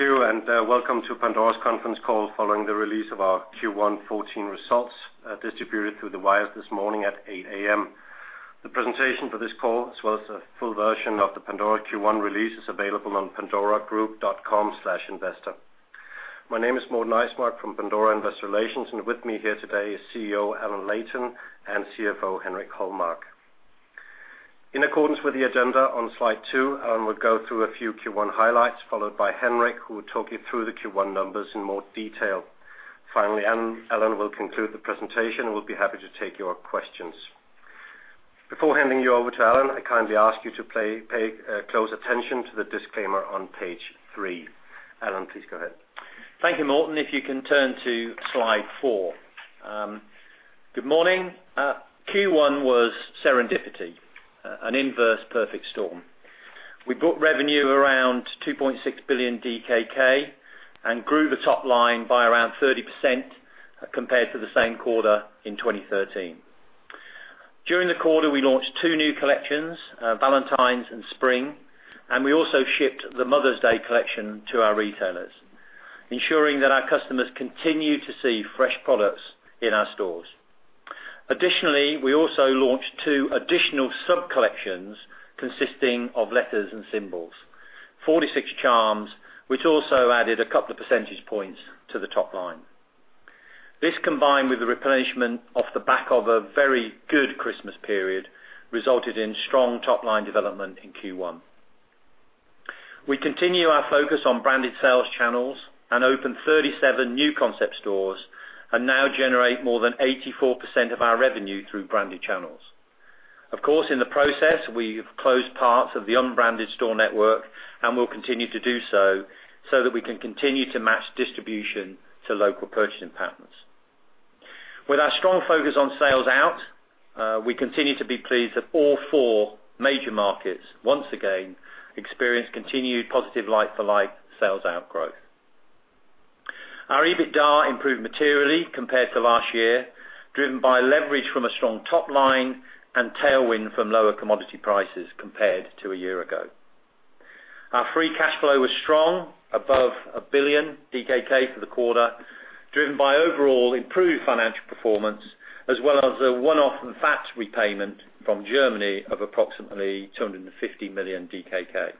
Thank you, and, welcome to Pandora's conference call following the release of our Q1 2014 results, distributed through the wires this morning at 8 A.M. The presentation for this call, as well as the full version of the Pandora Q1 release, is available on pandoragroup.com/investor. My name is Morten Eismark from Pandora Investor Relations, and with me here today is CEO Allan Leighton and CFO Henrik Holmark. In accordance with the agenda on slide two, Allan will go through a few Q1 highlights, followed by Henrik, who will talk you through the Q1 numbers in more detail. Finally, Allan will conclude the presentation, and we'll be happy to take your questions. Before handing you over to Allan, I kindly ask you to pay close attention to the disclaimer on page three. Allan, please go ahead. Thank you, Morten. If you can turn to slide four. Good morning. Q1 was serendipity, an inverse perfect storm. We brought revenue around 2.6 billion DKK and grew the top line by around 30% compared to the same quarter in 2013. During the quarter, we launched two new collections, Valentine's and Spring, and we also shipped the Mother's Day collection to our retailers, ensuring that our customers continue to see fresh products in our stores. Additionally, we also launched two additional sub collections consisting of letters and symbols, 46 charms, which also added a couple of percentage points to the top line. This, combined with the replenishment off the back of a very good Christmas period, resulted in strong top-line development in Q1. We continue our focus on branded sales channels and opened 37 new concept stores, and now generate more than 84% of our revenue through branded channels. Of course, in the process, we've closed parts of the unbranded store network and will continue to do so, so that we can continue to match distribution to local purchasing patterns. With our strong focus on sell-out, we continue to be pleased that all four major markets, once again, experience continued positive Like-for-Like sales growth. Our EBITDA improved materially compared to last year, driven by leverage from a strong top line and tailwind from lower commodity prices compared to a year ago. Our free cash flow was strong, above 1 billion DKK for the quarter, driven by overall improved financial performance, as well as a one-off VAT repayment from Germany of approximately 250 million DKK.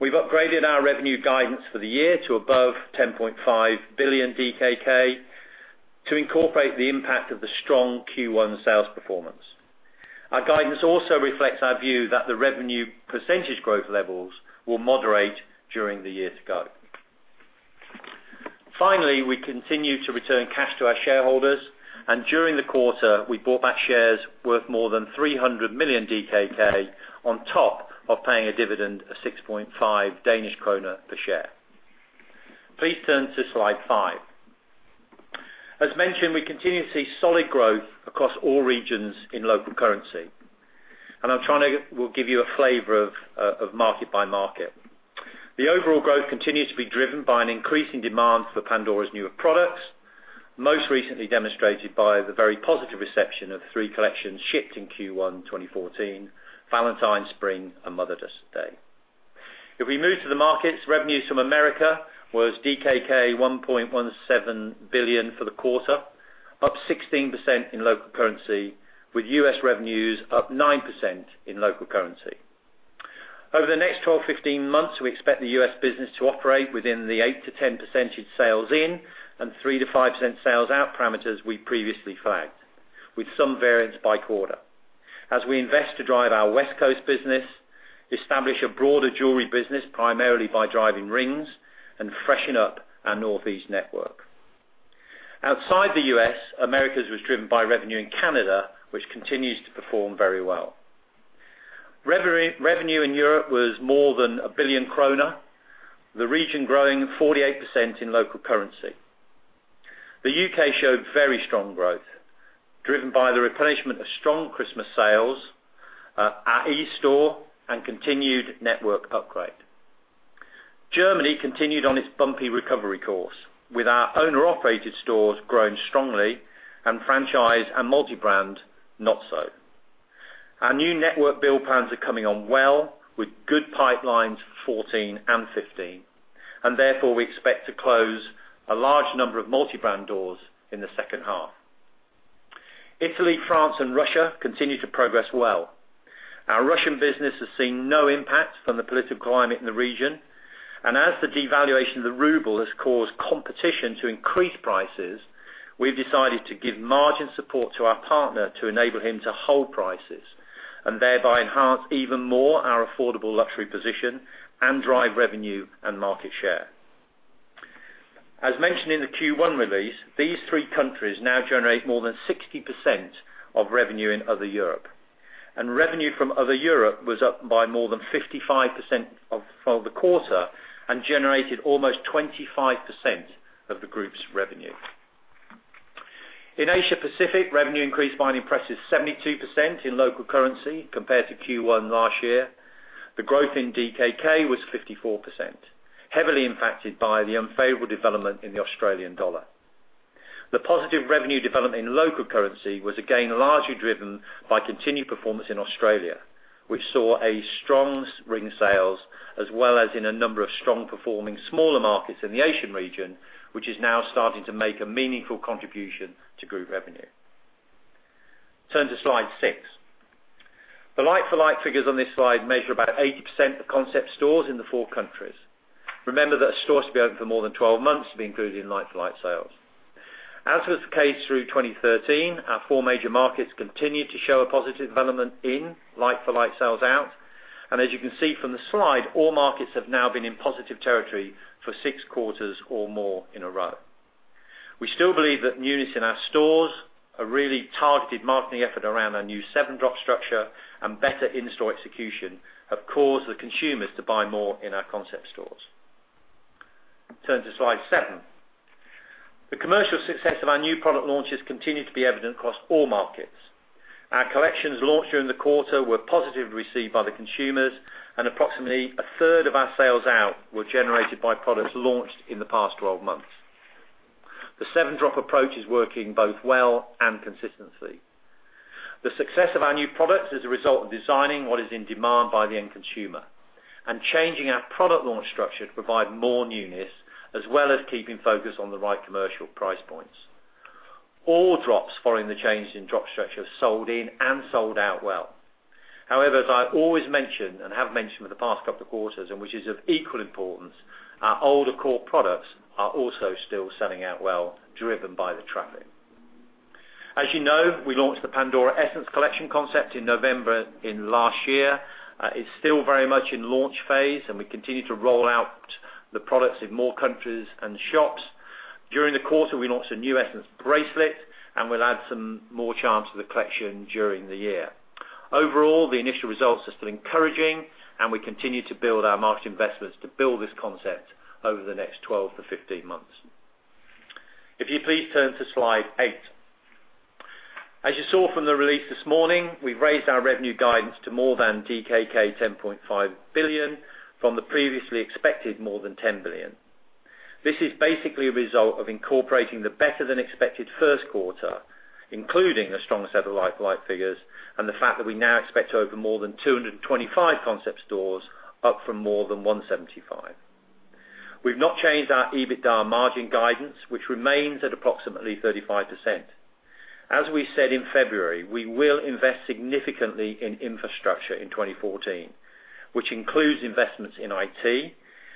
We've upgraded our revenue guidance for the year to above 10.5 billion DKK to incorporate the impact of the strong Q1 sales performance. Our guidance also reflects our view that the revenue percentage growth levels will moderate during the year to go. Finally, we continue to return cash to our shareholders, and during the quarter, we bought back shares worth more than 300 million DKK on top of paying a dividend of 6.5 Danish kroner per share. Please turn to slide five. As mentioned, we continue to see solid growth across all regions in local currency, and I'm trying to... We'll give you a flavor of, of market by market. The overall growth continues to be driven by an increasing demand for Pandora's newer products, most recently demonstrated by the very positive reception of the three collections shipped in Q1 2014: Valentine's, Spring, and Mother's Day. If we move to the markets, revenues from America was DKK 1.17 billion for the quarter, up 16% in local currency, with U.S. revenues up 9% in local currency. Over the next 12-15 months, we expect the U.S. business to operate within the 8%-10% sales in and 3%-5% sales out parameters we previously flagged, with some variance by quarter. As we invest to drive our West Coast business, establish a broader jewelry business, primarily by driving rings and freshening up our Northeast network. Outside the U.S., Americas was driven by revenue in Canada, which continues to perform very well. Regarding revenue in Europe was more than 1 billion kroner, the region growing 48% in local currency. The U.K. showed very strong growth, driven by the replenishment of strong Christmas sales, our eStore and continued network upgrade. Germany continued on its bumpy recovery course, with our owner-operated stores growing strongly and franchise and multi-brand, not so. Our new network build plans are coming on well, with good pipelines for 2014 and 2015, and therefore we expect to close a large number of multi-brand doors in the second half. Italy, France, and Russia continue to progress well. Our Russian business has seen no impact from the political climate in the region, and as the devaluation of the ruble has caused competition to increase prices, we've decided to give margin support to our partner to enable him to hold prices and thereby enhance even more our affordable luxury position and drive revenue and market share. As mentioned in the Q1 release, these three countries now generate more than 60% of revenue in other Europe, and revenue from other Europe was up by more than 55% of, for the quarter and generated almost 25% of the group's revenue. In Asia Pacific, revenue increased by an impressive 72% in local currency compared to Q1 last year. The growth in DKK was 54%, heavily impacted by the unfavorable development in the Australian dollar.... The positive revenue development in local currency was again largely driven by continued performance in Australia, which saw a strong ring sales as well as in a number of strong performing smaller markets in the Asian region, which is now starting to make a meaningful contribution to group revenue. Turn to slide six. The Like-for-Like figures on this slide measure about 80% of Concept stores in the four countries. Remember that stores to be open for more than 12 months to be included in Like-for-Like sales. As was the case through 2013, our four major markets continued to show a positive development in Like-for-Like sell-out, and as you can see from the slide, all markets have now been in positive territory for six quarters or more in a row. We still believe that newness in our stores, a really targeted marketing effort around our new 7-Drop Structure, and better in-store execution, have caused the consumers to buy more in our concept stores. Turn to slide seven. The commercial success of our new product launches continued to be evident across all markets. Our collections launched during the quarter were positively received by the consumers, and approximately a third of our sell-out were generated by products launched in the past 12 months. The 7-Drop approach is working both well and consistently. The success of our new products is a result of designing what is in demand by the end consumer and changing our product launch structure to provide more newness, as well as keeping focus on the right commercial price points. All drops following the changes in 7-Drop structure sold in and sold out well. However, as I've always mentioned, and have mentioned for the past couple of quarters, and which is of equal importance, our older core products are also still selling out well, driven by the traffic. As you know, we launched the Pandora Essence Collection concept in November of last year. It's still very much in launch phase, and we continue to roll out the products in more countries and shops. During the quarter, we launched a new Essence bracelet, and we'll add some more charms to the collection during the year. Overall, the initial results are still encouraging, and we continue to build our marketing investments to build this concept over the next 12-15 months. If you please turn to slide eight. As you saw from the release this morning, we've raised our revenue guidance to more than DKK 10.5 billion from the previously expected more than 10 billion. This is basically a result of incorporating the better-than-expected first quarter, including a strong set of like-for-like figures, and the fact that we now expect to open more than 225 concept stores, up from more than 175. We've not changed our EBITDA margin guidance, which remains at approximately 35%. As we said in February, we will invest significantly in infrastructure in 2014, which includes investments in IT.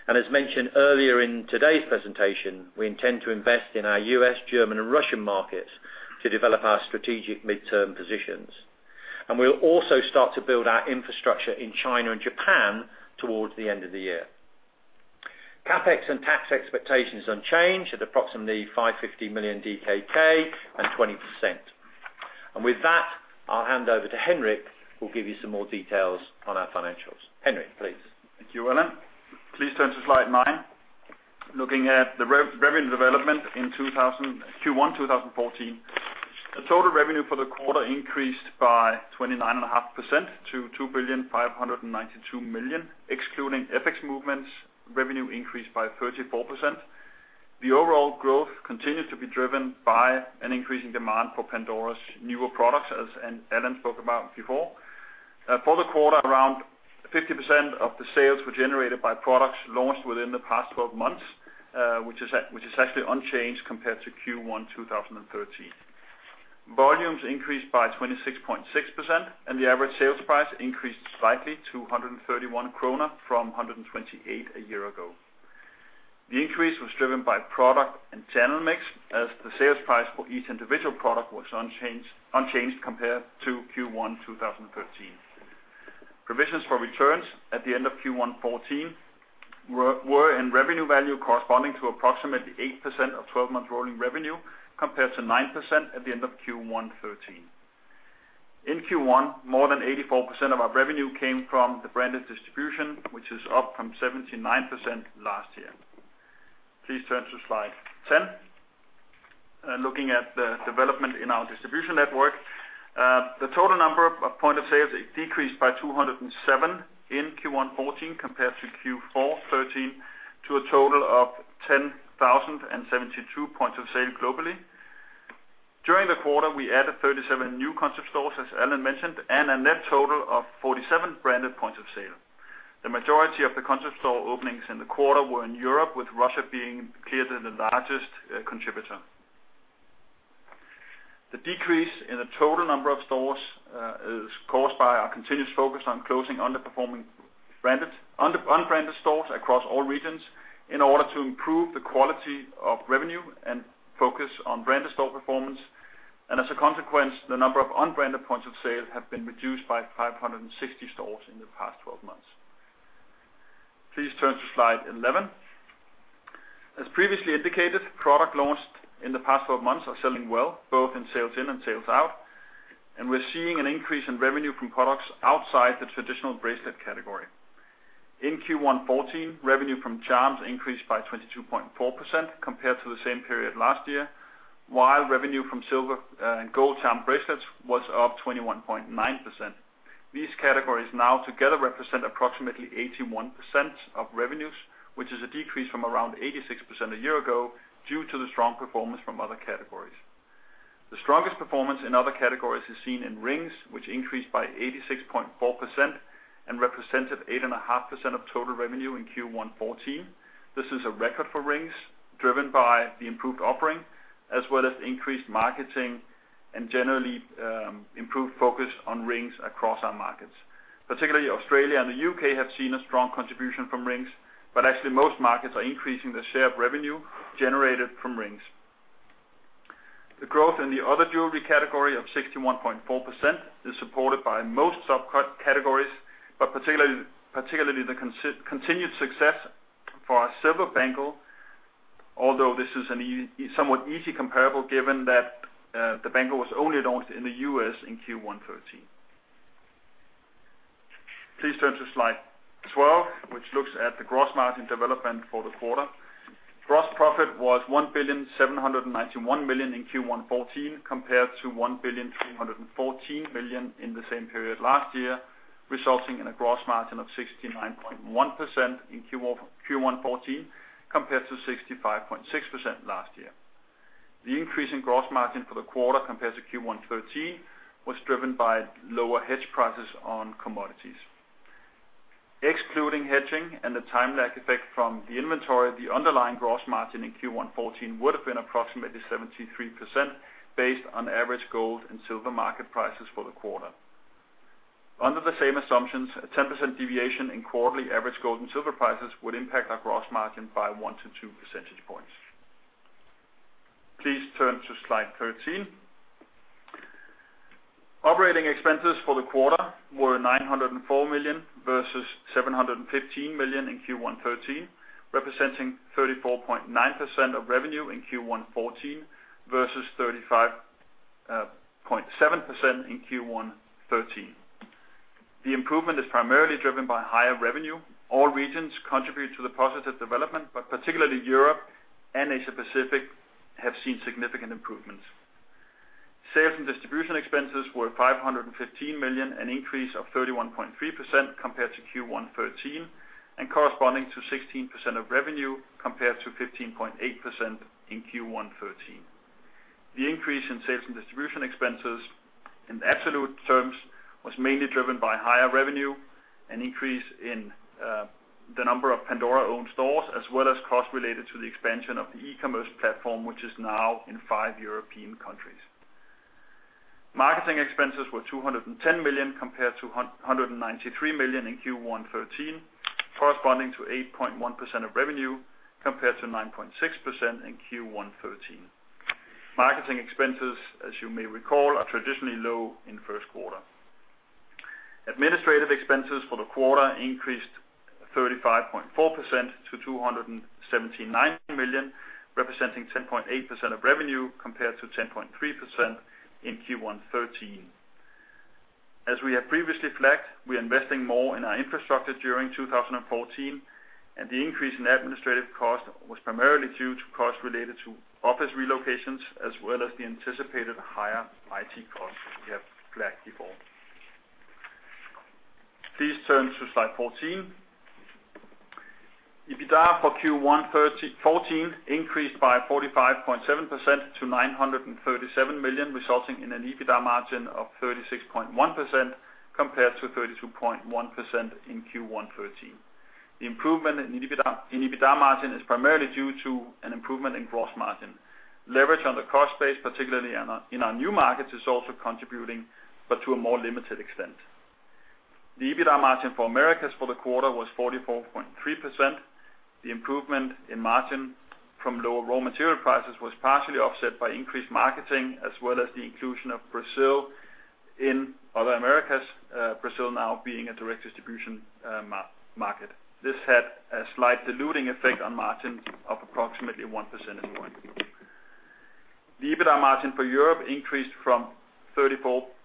As mentioned earlier in today's presentation, we intend to invest in our U.S., German, and Russian markets to develop our strategic midterm positions. We'll also start to build our infrastructure in China and Japan towards the end of the year. CapEx and tax expectations unchanged at approximately 550 million DKK and 20%. And with that, I'll hand over to Henrik, who'll give you some more details on our financials. Henrik, please. Thank you, Allan. Please turn to slide nine. Looking at the revenue development in Q1 2014. The total revenue for the quarter increased by 29.5% to 2,592 million, excluding FX movements, revenue increased by 34%. The overall growth continues to be driven by an increasing demand for Pandora's newer products, as Allan spoke about before. For the quarter, around 50% of the sales were generated by products launched within the past 12 months, which is actually unchanged compared to Q1 2013. Volumes increased by 26.6%, and the average sales price increased slightly to 131 kroner from 128 a year ago. The increase was driven by product and channel mix, as the sales price for each individual product was unchanged, unchanged compared to Q1 2013. Provisions for returns at the end of Q1 2014 were in revenue value corresponding to approximately 8% of 12 month rolling revenue, compared to 9% at the end of Q1 2013. In Q1, more than 84% of our revenue came from the branded distribution, which is up from 79% last year. Please turn to slide 10. Looking at the development in our distribution network, the total number of points of sale decreased by 207 in Q1 2014, compared to Q4 2013, to a total of 10,072 points of sale globally. During the quarter, we added 37 new concept stores, as Alan mentioned, and a net total of 47 branded points of sale. The majority of the concept store openings in the quarter were in Europe, with Russia being clearly the largest contributor. The decrease in the total number of stores is caused by our continuous focus on closing underperforming branded, unbranded stores across all regions in order to improve the quality of revenue and focus on branded store performance. As a consequence, the number of unbranded points of sale have been reduced by 560 stores in the past 12 months. Please turn to slide 11. As previously indicated, product launched in the past four months are selling well, both in sales in and sales out, and we're seeing an increase in revenue from products outside the traditional bracelet category. In Q1 2014, revenue from charms increased by 22.4% compared to the same period last year, while revenue from silver and gold charm bracelets was up 21.9%. These categories now together represent approximately 81% of revenues, which is a decrease from around 86% a year ago, due to the strong performance from other categories. The strongest performance in other categories is seen in rings, which increased by 86.4% and represented 8.5% of total revenue in Q1 2014. This is a record for rings, driven by the improved offering, as well as increased marketing and generally improved focus on rings across our markets. Particularly Australia and the U.K. have seen a strong contribution from rings, but actually, most markets are increasing their share of revenue generated from rings. The growth in the other jewelry category of 61.4% is supported by most sub-categories, but particularly, particularly the continued success for our Silver Bangle, although this is an easy, somewhat easy comparable, given that, the bangle was only launched in the U.S. in Q1 2013. Please turn to slide 12, which looks at the gross margin development for the quarter. Gross profit was 1,791 million in Q1 2014, compared to 1,314 million in the same period last year, resulting in a gross margin of 69.1% in Q1 2014, compared to 65.6% last year. The increase in gross margin for the quarter compared to Q1 2013 was driven by lower hedge prices on commodities. Excluding hedging and the time lag effect from the inventory, the underlying gross margin in Q1 2014 would have been approximately 73%, based on average gold and silver market prices for the quarter. Under the same assumptions, a 10% deviation in quarterly average gold and silver prices would impact our gross margin by one to two percentage points. Please turn to slide 13. Operating expenses for the quarter were 904 million, versus 715 million in Q1 2013, representing 34.9% of revenue in Q1 2014, versus 35.7% in Q1 2013. The improvement is primarily driven by higher revenue. All regions contribute to the positive development, but particularly Europe and Asia Pacific have seen significant improvements. Sales and distribution expenses were 515 million, an increase of 31.3% compared to Q1 2013, and corresponding to 16% of revenue, compared to 15.8% in Q1 2013. The increase in sales and distribution expenses in absolute terms was mainly driven by higher revenue, an increase in the number of Pandora-owned stores, as well as costs related to the expansion of the e-commerce platform, which is now in five European countries. Marketing expenses were 210 million, compared to 193 million in Q1 2013, corresponding to 8.1% of revenue, compared to 9.6% in Q1 2013. Marketing expenses, as you may recall, are traditionally low in first quarter. Administrative expenses for the quarter increased 35.4% to 279 million, representing 10.8% of revenue, compared to 10.3% in Q1 2013. As we have previously flagged, we are investing more in our infrastructure during 2014, and the increase in administrative cost was primarily due to costs related to office relocations, as well as the anticipated higher IT costs we have flagged before. Please turn to slide 14. EBITDA for Q1 2014 increased by 45.7% to 937 million, resulting in an EBITDA margin of 36.1%, compared to 32.1% in Q1 2013. The improvement in EBITDA, in EBITDA margin, is primarily due to an improvement in gross margin. Leverage on the cost base, particularly in our new markets, is also contributing, but to a more limited extent. The EBITDA margin for Americas for the quarter was 44.3%. The improvement in margin from lower raw material prices was partially offset by increased marketing, as well as the inclusion of Brazil in other Americas, Brazil now being a direct distribution market. This had a slight diluting effect on margin of approximately 1 percentage point. The EBITDA margin for Europe increased from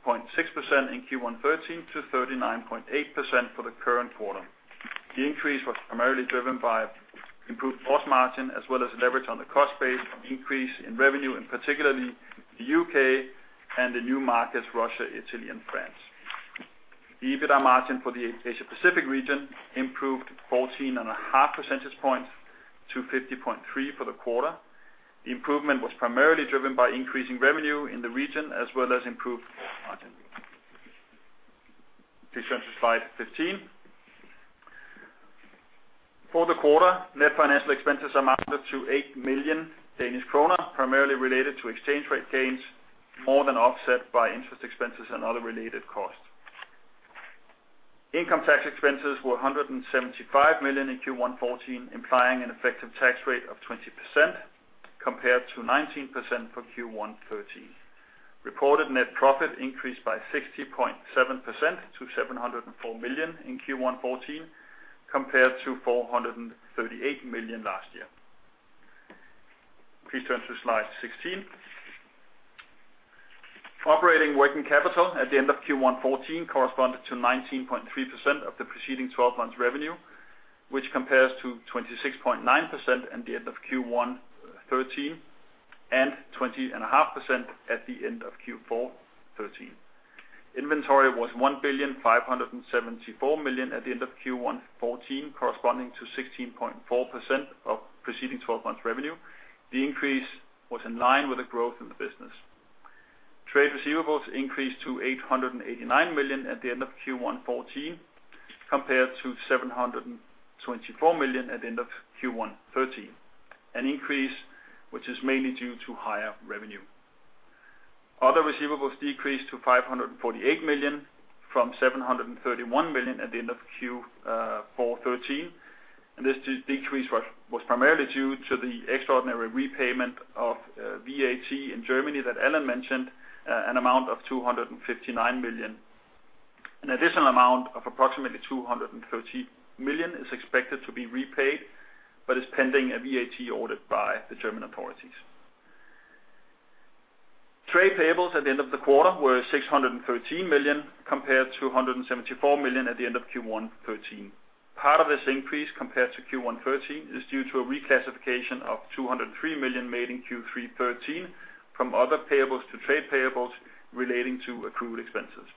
34.6% in Q1 2013 to 39.8% for the current quarter. The increase was primarily driven by improved gross margin, as well as leverage on the cost base, an increase in revenue, and particularly the U.K. and the new markets, Russia, Italy, and France. The EBITDA margin for the Asia Pacific region improved 14.5 percentage points to 50.3% for the quarter. The improvement was primarily driven by increasing revenue in the region, as well as improved gross margin. Please turn to slide 15. For the quarter, net financial expenses amounted to 8 million Danish kroner, primarily related to exchange rate gains, more than offset by interest expenses and other related costs. Income tax expenses were 175 million in Q1 2014, implying an effective tax rate of 20%, compared to 19% for Q1 2013. Reported net profit increased by 60.7% to 704 million in Q1 2014, compared to 438 million last year. Please turn to slide 16. Operating working capital at the end of Q1 2014 corresponded to 19.3% of the preceding 12 months' revenue, which compares to 26.9% at the end of Q1 2013, and 20.5% at the end of Q4 2013. Inventory was 1,574 million at the end of Q1 2014, corresponding to 16.4% of preceding 12 months revenue. The increase was in line with the growth in the business. Trade receivables increased to 889 million at the end of Q1 2014, compared to 724 million at the end of Q1 2013, an increase which is mainly due to higher revenue. Other receivables decreased to 548 million, from 731 million at the end of Q4 2013, and this decrease was primarily due to the extraordinary repayment of VAT in Germany that Allan mentioned, an amount of 259 million. An additional amount of approximately 230 million is expected to be repaid, but is pending a VAT audit by the German authorities. Trade payables at the end of the quarter were 613 million, compared to 174 million at the end of Q1 2013. Part of this increase, compared to Q1 2013, is due to a reclassification of 203 million made in Q3 2013 from other payables to trade payables relating to accrued expenses.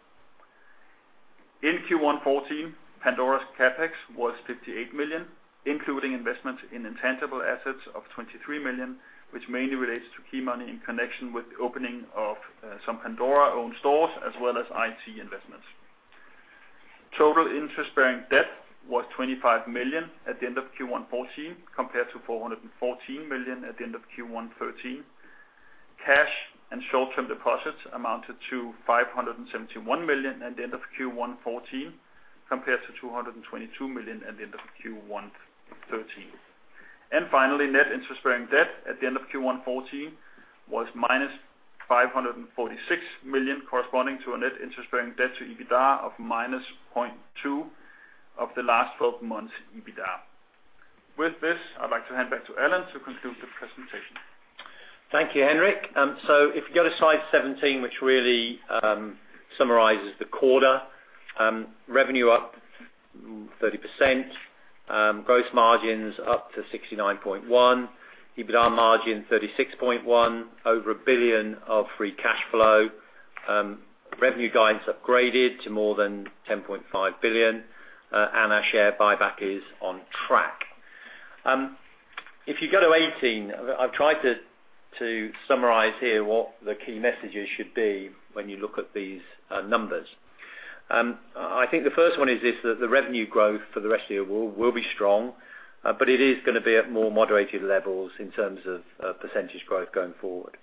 In Q1 2014, Pandora's CapEx was 58 million, including investments in intangible assets of 23 million, which mainly relates to key money in connection with the opening of some Pandora-owned stores, as well as IT investments. Total interest-bearing debt was 25 million at the end of Q1 2014, compared to 414 million at the end of Q1 2013. Cash and short-term deposits amounted to 571 million at the end of Q1 2014, compared to 222 million at the end of Q1 2013. Finally, net interest-bearing debt at the end of Q1 2014 was -546 million, corresponding to a net interest-bearing debt to EBITDA of -0.2 of the last 12 months EBITDA. With this, I'd like to hand back to Allan to conclude the presentation. Thank you, Henrik. So if you go to slide 17, which really summarizes the quarter, revenue up 30%, gross margins up to 69.1%, EBITDA margin 36.1%, over 1 billion free cash flow, revenue guidance upgraded to more than 10.5 billion, and our share buyback is on track. If you go to 18, I've tried to summarize here what the key messages should be when you look at these numbers. I think the first one is that the revenue growth for the rest of the year will be strong, but it is gonna be at more moderated levels in terms of percentage growth going forward.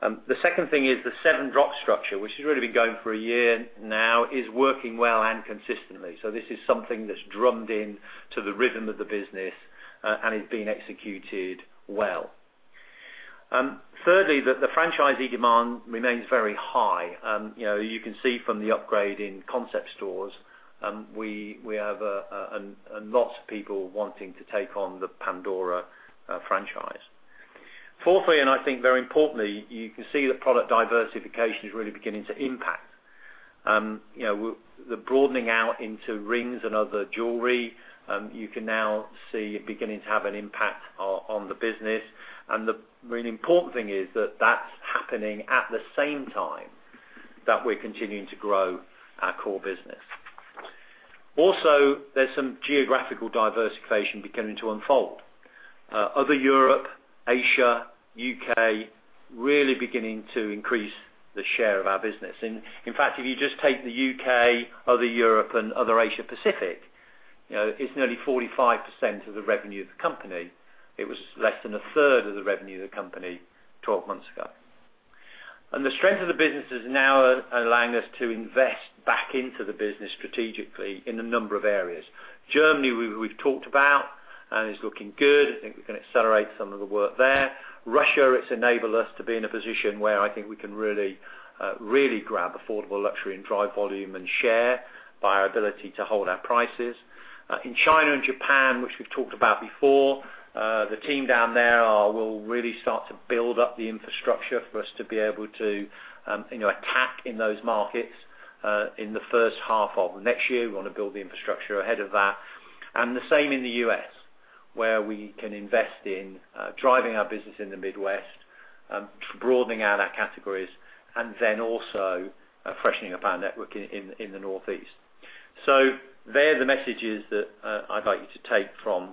The second thing is the 7- Drop Structure, which has really been going for a year now, is working well and consistently. So this is something that's drummed in to the rhythm of the business, and is being executed well. Thirdly, that the franchisee demand remains very high. You know, you can see from the upgrade in Concept stores, we have lots of people wanting to take on the Pandora franchise. Fourthly, and I think very importantly, you can see that product diversification is really beginning to impact. You know, the broadening out into rings and other jewelry, you can now see beginning to have an impact on the business. And the really important thing is that that's happening at the same time that we're continuing to grow our core business. Also, there's some geographical diversification beginning to unfold. Other Europe, Asia, U.K., really beginning to increase the share of our business. In fact, if you just take the U.K., other Europe, and other Asia Pacific, you know, it's nearly 45% of the revenue of the company. It was less than a third of the revenue of the company 12 months ago. And the strength of the business is now allowing us to invest back into the business strategically in a number of areas. Germany, we've talked about and is looking good. I think we can accelerate some of the work there. Russia, it's enabled us to be in a position where I think we can really, really grab affordable luxury and drive volume and share by our ability to hold our prices. In China and Japan, which we've talked about before, the team down there will really start to build up the infrastructure for us to be able to, you know, attack in those markets, in the first half of next year. We want to build the infrastructure ahead of that. The same in the U.S., where we can invest in driving our business in the Midwest, broadening out our categories, and then also freshening up our network in the Northeast. So there are the messages that I'd like you to take from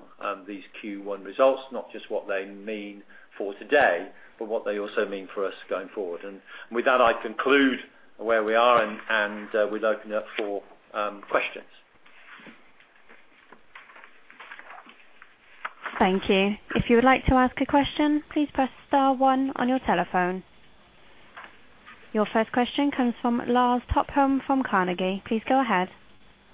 these Q1 results, not just what they mean for today, but what they also mean for us going forward. And with that, I conclude where we are, and we'd open it up for questions. Thank you. If you would like to ask a question, please press star one on your telephone. Your first question comes from Lars Topholm from Carnegie. Please go ahead.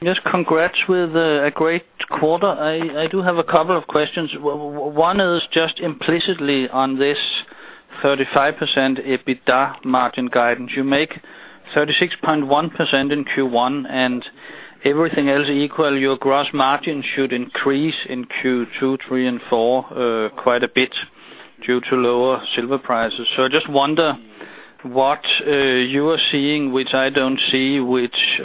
Yes, congrats with a great quarter. I do have a couple of questions. One is just implicitly on this 35% EBITDA margin guidance. You make 36.1% in Q1, and everything else equal, your gross margin should increase in Q2, Q3, and Q4 quite a bit due to lower silver prices. So I just wonder what you are seeing, which I don't see, which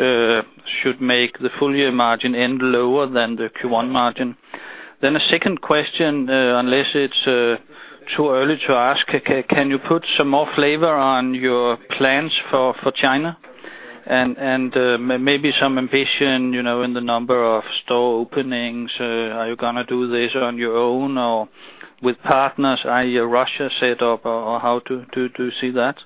should make the full year margin end lower than the Q1 margin? Then a second question, unless it's too early to ask, can you put some more flavor on your plans for China? And maybe some ambition, you know, in the number of store openings. Are you gonna do this on your own or with partners, i.e., Russia set up, or how to see that?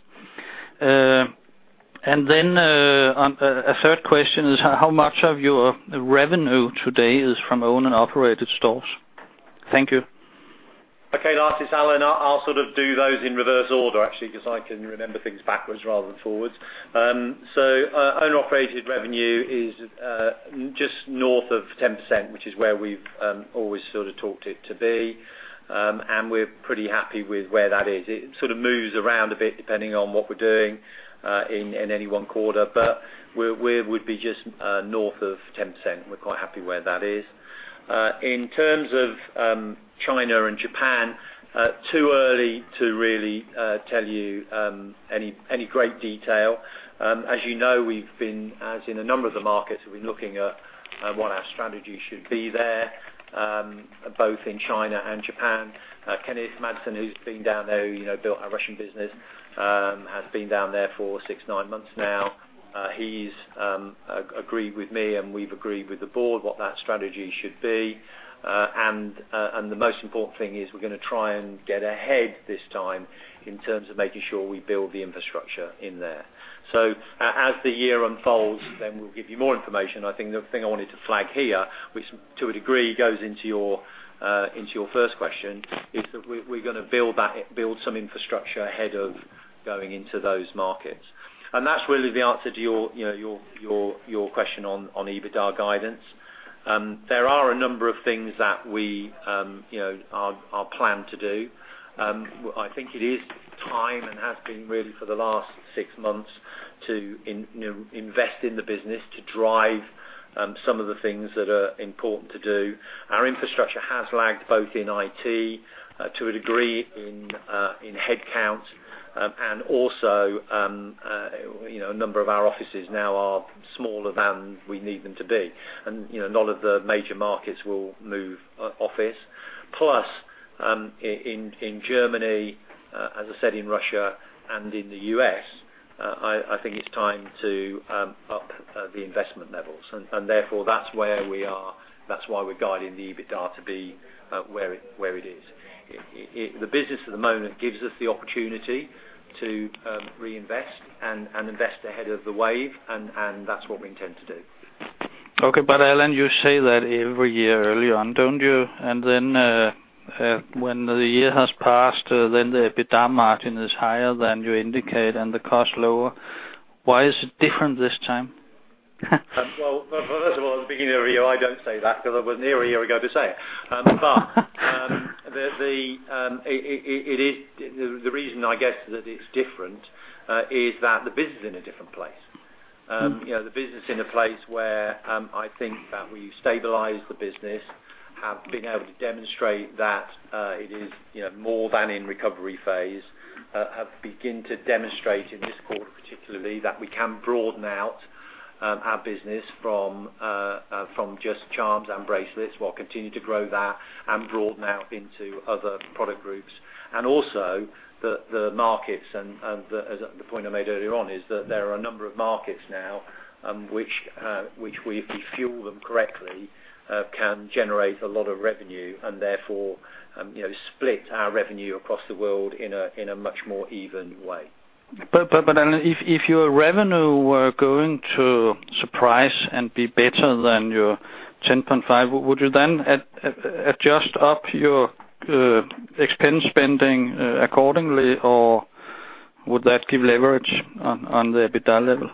And then, on a third question is, how much of your revenue today is from owned and operated stores? Thank you. Okay, Lars, it's Allan. I'll sort of do those in reverse order, actually, because I can remember things backwards rather than forwards. So, owner operated revenue is just north of 10%, which is where we've always sort of talked it to be. And we're pretty happy with where that is. It sort of moves around a bit, depending on what we're doing in any one quarter. But we would be just north of 10%. We're quite happy where that is. In terms of China and Japan, too early to really tell you any great detail. As you know, we've been, as in a number of the markets, we've been looking at what our strategy should be there, both in China and Japan. Kenneth Madsen, who's been down there, you know, built our Russian business, has been down there for six to nine months now. He's agreed with me, and we've agreed with the board what that strategy should be. And the most important thing is we're gonna try and get ahead this time in terms of making sure we build the infrastructure in there. So as the year unfolds, then we'll give you more information. I think the thing I wanted to flag here, which to a degree, goes into your, into your first question, is that we're gonna build that, build some infrastructure ahead of going into those markets. And that's really the answer to your, you know, your, your, your question on, on EBITDA guidance. There are a number of things that we, you know, are planned to do. I think it is time and has been really for the last six months to, you know, invest in the business, to drive some of the things that are important to do. Our infrastructure has lagged both in IT to a degree in headcount and also, you know, a number of our offices now are smaller than we need them to be. And, you know, most of the major markets will move office. Plus, in Germany, as I said, in Russia and in the U.S., I think it's time to up the investment levels. And therefore, that's where we are, that's why we're guiding the EBITDA to be where it is. It, the business at the moment gives us the opportunity to reinvest and invest ahead of the wave, and that's what we intend to do. Okay, but Allan, you say that every year early on, don't you? And then, when the year has passed, then the EBITDA margin is higher than you indicate and the cost lower. Why is it different this time? Well, first of all, at the beginning of the year, I don't say that, because I wasn't here a year ago to say it. But the reason I guess that it's different is that the business is in a different place. You know, the business is in a place where I think that we've stabilized the business, have been able to demonstrate that it is, you know, more than in recovery phase. Have begin to demonstrate in this quarter, particularly, that we can broaden out our business from just charms and bracelets, while continuing to grow that and broaden out into other product groups. And also, as the point I made earlier on, is that there are a number of markets now, which we, if we fuel them correctly, can generate a lot of revenue, and therefore, you know, split our revenue across the world in a much more even way. But then if your revenue were going to surprise and be better than your 10.5, would you then adjust up your expense spending accordingly, or would that give leverage on the EBITDA level?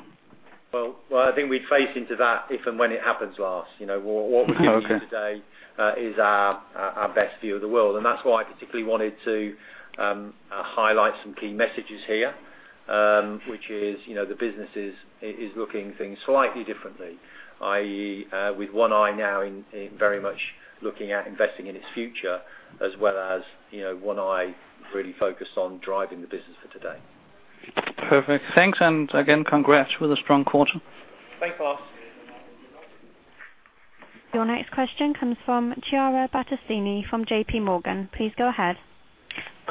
Well, well, I think we'd face into that if and when it happens, Lars. You know, what we're- Okay. -giving you today, is our best view of the world, and that's why I particularly wanted to highlight some key messages here. Which is, you know, the business is looking at things slightly differently. i.e., with one eye now in very much looking at investing in its future, as well as, you know, one eye really focused on driving the business for today. Perfect. Thanks, and again, congrats with a strong quarter. Thanks, Lars. Your next question comes from Chiara Battistini, from J.P. Morgan. Please go ahead.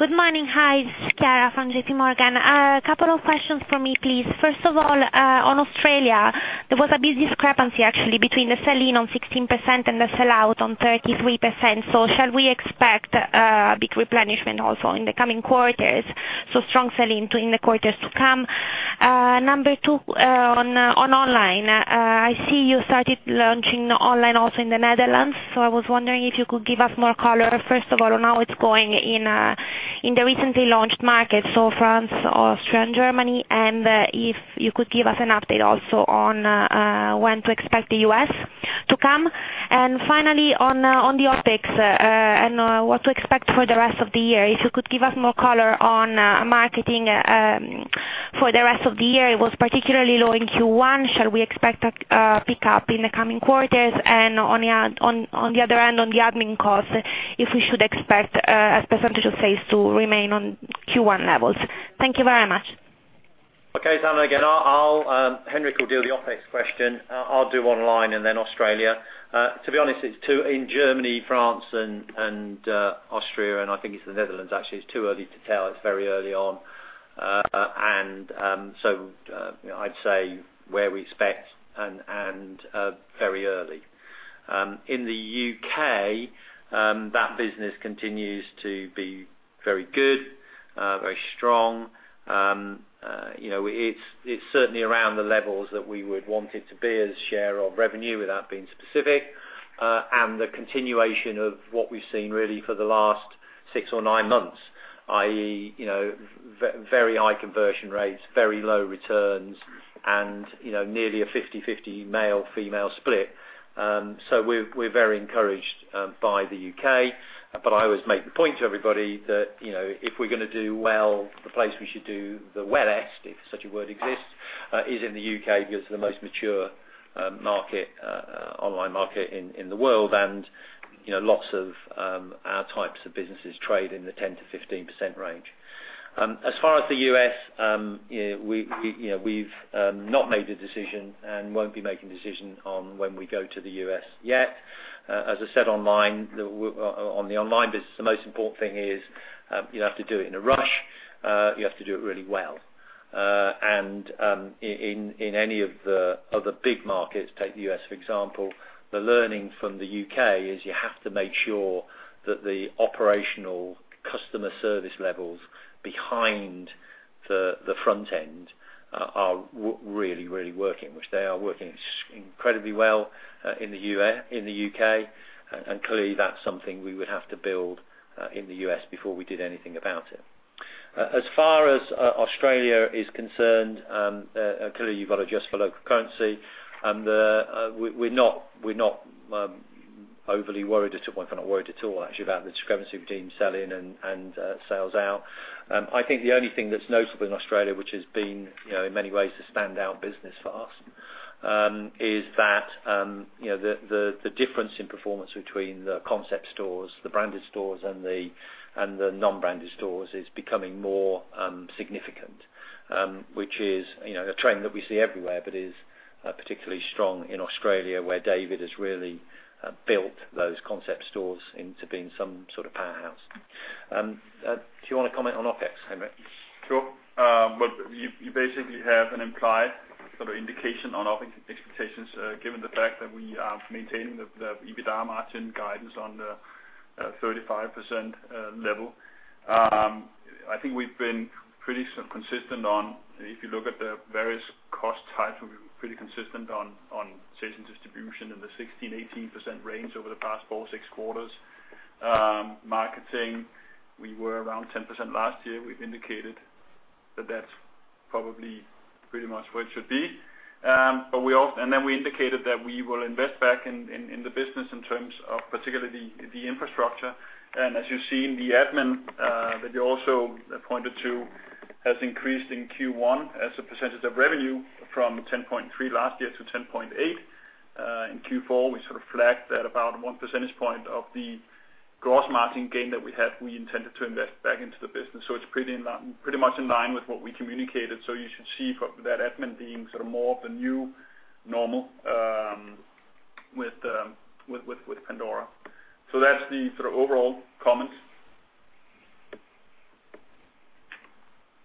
Good morning. Hi, it's Chiara from J.P. Morgan. A couple of questions from me, please. First of all, on Australia, there was a big discrepancy actually, between the sell-in on 16% and the sell-out on 33%. So shall we expect big replenishment also in the coming quarters? So strong sell-in to in the quarters to come. Number two, on online. I see you started launching online also in the Netherlands, so I was wondering if you could give us more color. First of all, on how it's going in the recently launched markets, so France, Austria, and Germany, and if you could give us an update also on when to expect the U.S. to come. And finally, on the optics, and what to expect for the rest of the year. If you could give us more color on marketing for the rest of the year. It was particularly low in Q1. Shall we expect a pickup in the coming quarters? And on the other hand, on the admin costs, if we should expect a percentage of sales to remain on Q1 levels? Thank you very much. ... Okay, Allan, again, I'll Henrik will do the OpEx question. I'll do online and then Australia. To be honest, it's too in Germany, France, and Austria, and I think it's the Netherlands, actually, it's too early to tell. It's very early on. And so you know, I'd say where we expect and very early. In the U.K., that business continues to be very good, very strong. You know, it's certainly around the levels that we would want it to be as share of revenue without being specific, and the continuation of what we've seen really for the last six or nine months, i.e., you know, very high conversion rates, very low returns, and you know, nearly a 50/50 male-female split. So we're very encouraged by the U.K., but I always make the point to everybody that, you know, if we're gonna do well, the place we should do the wellest, if such a word exists, is in the U.K. because it's the most mature market online market in the world. And you know, lots of our types of businesses trade in the 10%-15% range. As far as the U.S., you know, we've not made a decision and won't be making a decision on when we go to the U.S. yet. As I said, online, on the online business, the most important thing is, you don't have to do it in a rush, you have to do it really well. In any of the big markets, take the U.S., for example, the learning from the U.K. is you have to make sure that the operational customer service levels behind the front end are really, really working, which they are working incredibly well in the U.K., and clearly, that's something we would have to build in the U.S. before we did anything about it. As far as Australia is concerned, clearly, you've got to adjust for local currency, and we're not overly worried at all. We're not worried at all, actually, about the discrepancy between sell-in and sell-out. I think the only thing that's notable in Australia, which has been, you know, in many ways, a standout business for us, is that, you know, the difference in performance between the concept stores, the branded stores, and the non-branded stores is becoming more significant. Which is, you know, a trend that we see everywhere, but is particularly strong in Australia, where David has really built those concept stores into being some sort of powerhouse. Do you want to comment on OpEx, Henrik? Sure. But you basically have an implied sort of indication on OpEx expectations, given the fact that we are maintaining the EBITDA margin guidance on the 35% level. I think we've been pretty consistent on. If you look at the various cost types, we've been pretty consistent on sales and distribution in the 16%-18% range over the past four to six quarters. Marketing, we were around 10% last year. We've indicated that that's probably pretty much where it should be. But we also and then we indicated that we will invest back in the business in terms of particularly the infrastructure. And as you see in the admin that you also pointed to, has increased in Q1 as a percentage of revenue from 10.3 last year to 10.8. In Q4, we sort of flagged that about one percentage point of the gross margin gain that we had, we intended to invest back into the business, so it's pretty in line, pretty much in line with what we communicated. So you should see that admin being sort of more of the new normal with Pandora. So that's the sort of overall comments.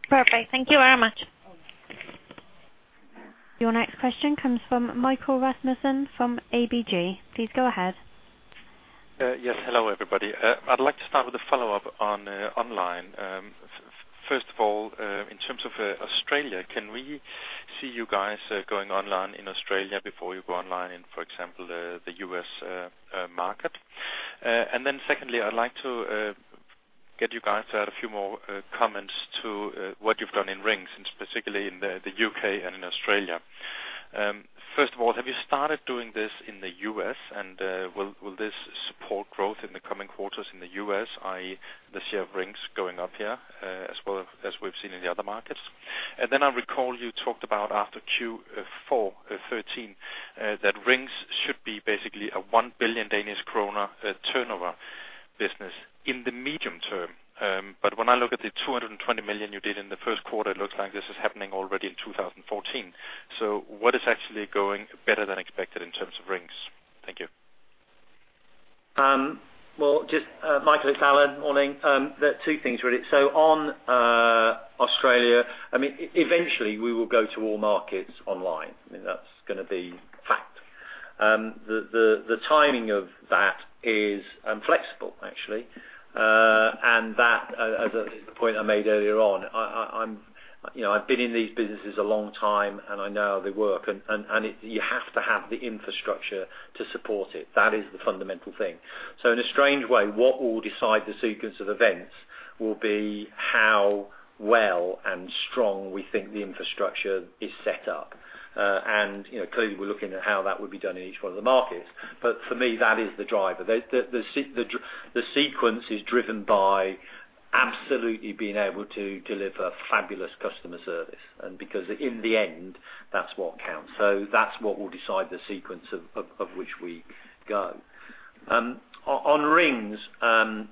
Perfect. Thank you very much. Your next question comes from Michael Rasmussen from ABG. Please go ahead. Yes, hello, everybody. I'd like to start with a follow-up on online. First of all, in terms of Australia, can we see you guys going online in Australia before you go online in, for example, the U.S. market? And then secondly, I'd like to get you guys to add a few more comments to what you've done in Rings, and specifically in the U.K. and in Australia. First of all, have you started doing this in the U.S., and will this support growth in the coming quarters in the U.S., i.e., the share of Rings going up here as well as we've seen in the other markets? And then I recall you talked about after Q4 2013 that Rings should be basically a 1 billion Danish kroner turnover business in the medium term. But when I look at the 200 million you did in the first quarter, it looks like this is happening already in 2014. So what is actually going better than expected in terms of Rings? Thank you. Well, just Michael, it's Allan. Morning. There are two things, really. So on Australia, I mean, eventually, we will go to all markets online, and that's gonna be fact. The timing of that is flexible, actually. And that, as a point I made earlier on, I'm, you know, I've been in these businesses a long time, and I know how they work, and you have to have the infrastructure to support it. That is the fundamental thing. So in a strange way, what will decide the sequence of events will be how well and strong we think the infrastructure is set up. And, you know, clearly, we're looking at how that would be done in each one of the markets, but for me, that is the driver. The sequence is driven by absolutely being able to deliver fabulous customer service, and because in the end, that's what counts. So that's what will decide the sequence of which we go. On Rings,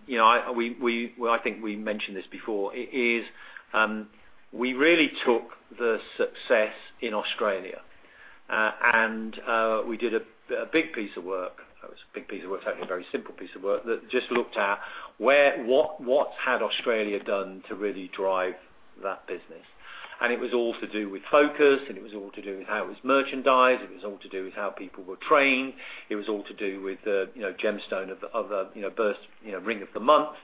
you know, well, I think we mentioned this before. It is, we really took the success in Australia. And we did a big piece of work. It was a big piece of work, actually, a very simple piece of work, that just looked at what had Australia done to really drive that business? And it was all to do with focus, and it was all to do with how it was merchandised. It was all to do with how people were trained. It was all to do with the, you know, gemstone of the birth, you know, ring of the month.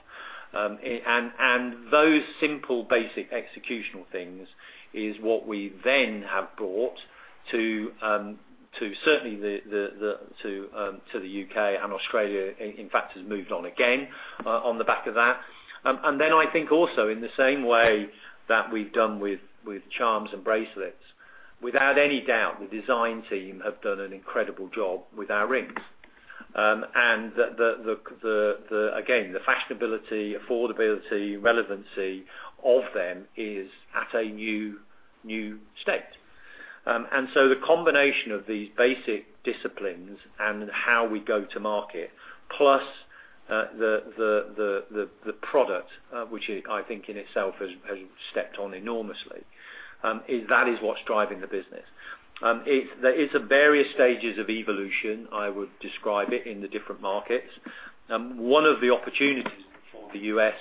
And those simple, basic executional things is what we then have brought to certainly the U.K. and Australia. In fact, has moved on again on the back of that. And then I think also in the same way that we've done with charms and bracelets, without any doubt, the design team have done an incredible job with our rings. And the, again, the fashionability, affordability, relevancy of them is at a new state. And so the combination of these basic disciplines and how we go to market, plus, the product, which is, I think in itself, has stepped up enormously, is what's driving the business. There are various stages of evolution I would describe it in the different markets. One of the opportunities for the U.S.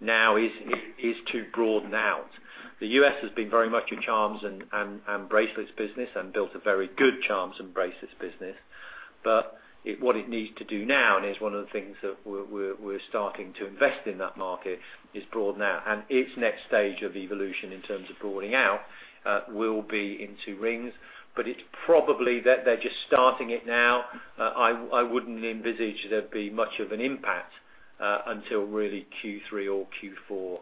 now is to broaden out. The U.S. has been very much a charms and bracelets business, and built a very good charms and bracelets business. But what it needs to do now, and is one of the things that we're starting to invest in that market, is broaden out. And its next stage of evolution in terms of broadening out, will be into rings, but it's probably they're just starting it now. I wouldn't envisage there'd be much of an impact until really Q3 or Q4.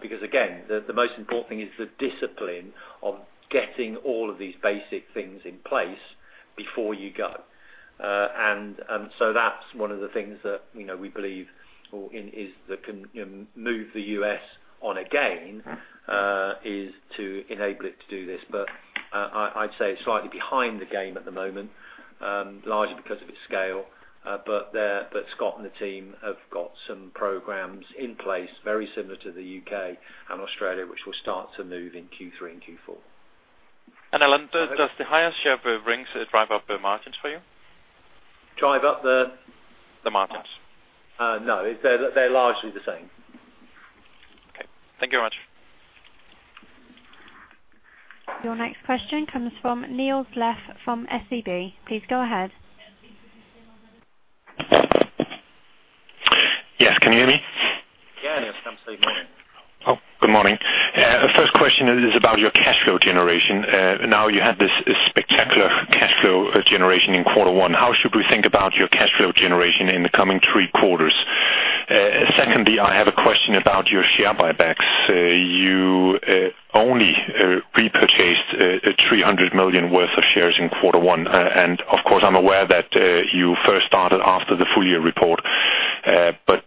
Because again, the most important thing is the discipline of getting all of these basic things in place before you go. So that's one of the things that, you know, we believe or in is that can move the U.S. on again is to enable it to do this. But I'd say slightly behind the game at the moment, largely because of its scale, but Scott and the team have got some programs in place, very similar to the U.K. and Australia, which will start to move in Q3 and Q4. Allan, does the highest share of rings drive up the margins for you? Drive up the? The margins. No, they're largely the same. Okay. Thank you very much. Your next question comes from Niels Leth from SEB. Please go ahead. Yes, can you hear me? Yeah, Niels, good morning. Oh, good morning. First question is about your cash flow generation. Now you have this, this spectacular cash flow generation in quarter one. How should we think about your cash flow generation in the coming three quarters? Secondly, I have a question about your share buybacks. You only repurchased 300 million worth of shares in quarter one. And of course, I'm aware that you first started after the full year report, but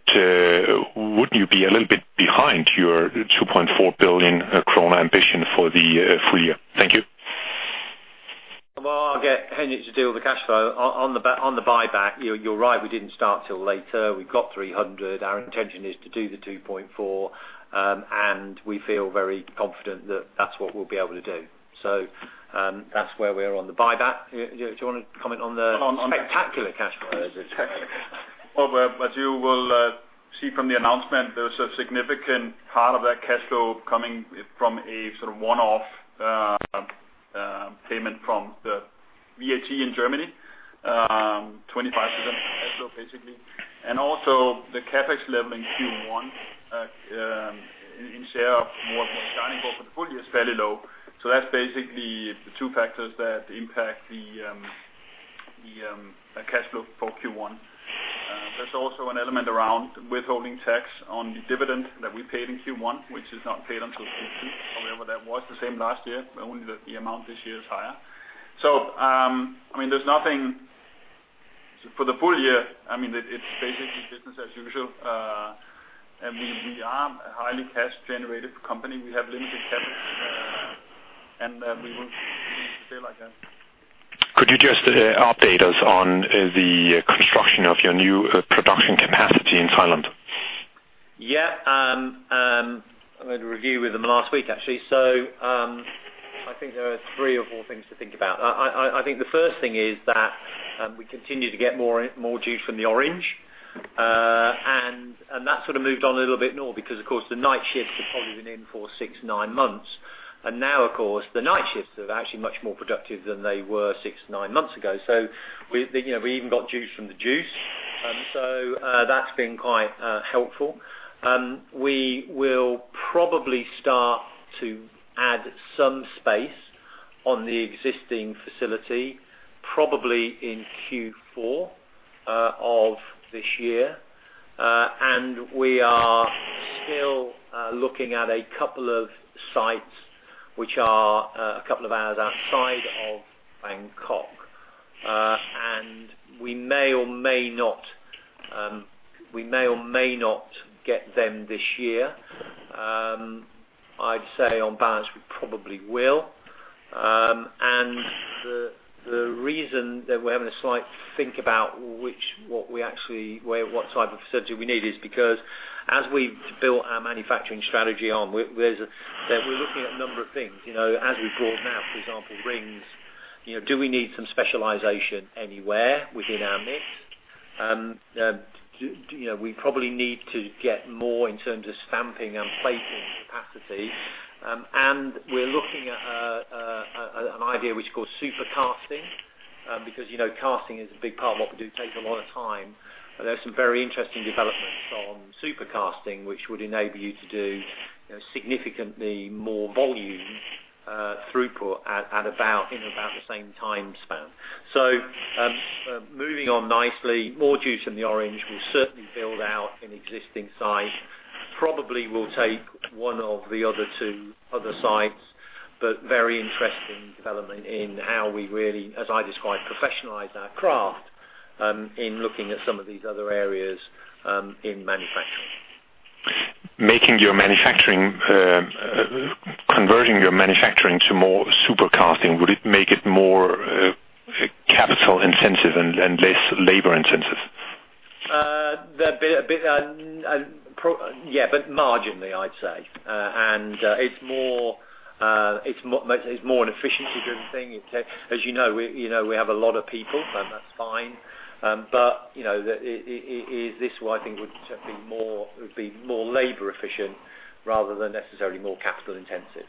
wouldn't you be a little bit behind your 2.4 billion krone ambition for the full year? Thank you. Well, I'll get Henrik to deal with the cash flow. On the buyback, you're right, we didn't start till later. We got 300 million. Our intention is to do the 2.4 billion, and we feel very confident that that's what we'll be able to do. So, that's where we are on the buyback. Do you want to comment on the spectacular cash flow? Well, but, but you will see from the announcement, there was a significant part of that cash flow coming from a sort of one-off payment from the VAT in Germany, 25% cash flow, basically. And also the CapEx level in Q1, in share of more involved for the full year is fairly low. So that's basically the two factors that impact the cash flow for Q1. There's also an element around withholding tax on the dividend that we paid in Q1, which is not paid until Q2. However, that was the same last year, only that the amount this year is higher. So, I mean, there's nothing. For the full year, I mean, it's basically business as usual. And we are a highly cash generative company. We have limited capital, and we will stay like that. Could you just update us on the construction of your new production capacity in Thailand? Yeah, I had a review with them last week, actually. So, I think there are three or four things to think about. I think the first thing is that we continue to get more, more juice from the orange, and that sort of moved on a little bit more because, of course, the night shifts have probably been in for six to nine months. And now, of course, the night shifts are actually much more productive than they were six to nine months ago. So we, you know, we even got juice from the juice, so that's been quite helpful. We will probably start to add some space on the existing facility, probably in Q4 of this year. And we are still looking at a couple of sites which are a couple of hours outside of Bangkok, and we may or may not, we may or may not get them this year. I'd say on balance, we probably will. And the reason that we're having a slight think about which, what we actually what type of facility we need is because as we built our manufacturing strategy on, we're looking at a number of things, you know, as we broaden out, for example, rings, you know, do we need some specialization anywhere within our mix? You know, we probably need to get more in terms of stamping and plating capacity. And we're looking at an idea which is called Supercasting, because, you know, casting is a big part of what we do, takes a lot of time. But there are some very interesting developments on Supercasting, which would enable you to do, you know, significantly more volume, throughput at about the same time span. So, moving on nicely, more juice in the orange. We'll certainly build out an existing site, probably will take one of the other two other sites, but very interesting development in how we really, as I described, professionalize our craft, in looking at some of these other areas, in manufacturing. Making your manufacturing, converting your manufacturing to more Supercasting, would it make it more capital intensive and less labor intensive? There'd be a bit, yeah, but marginally, I'd say. And it's more, it's more an efficiency driven thing. As you know, we, you know, we have a lot of people, and that's fine, but, you know, is this what I think would certainly more, it would be more labor efficient rather than necessarily more capital intensive.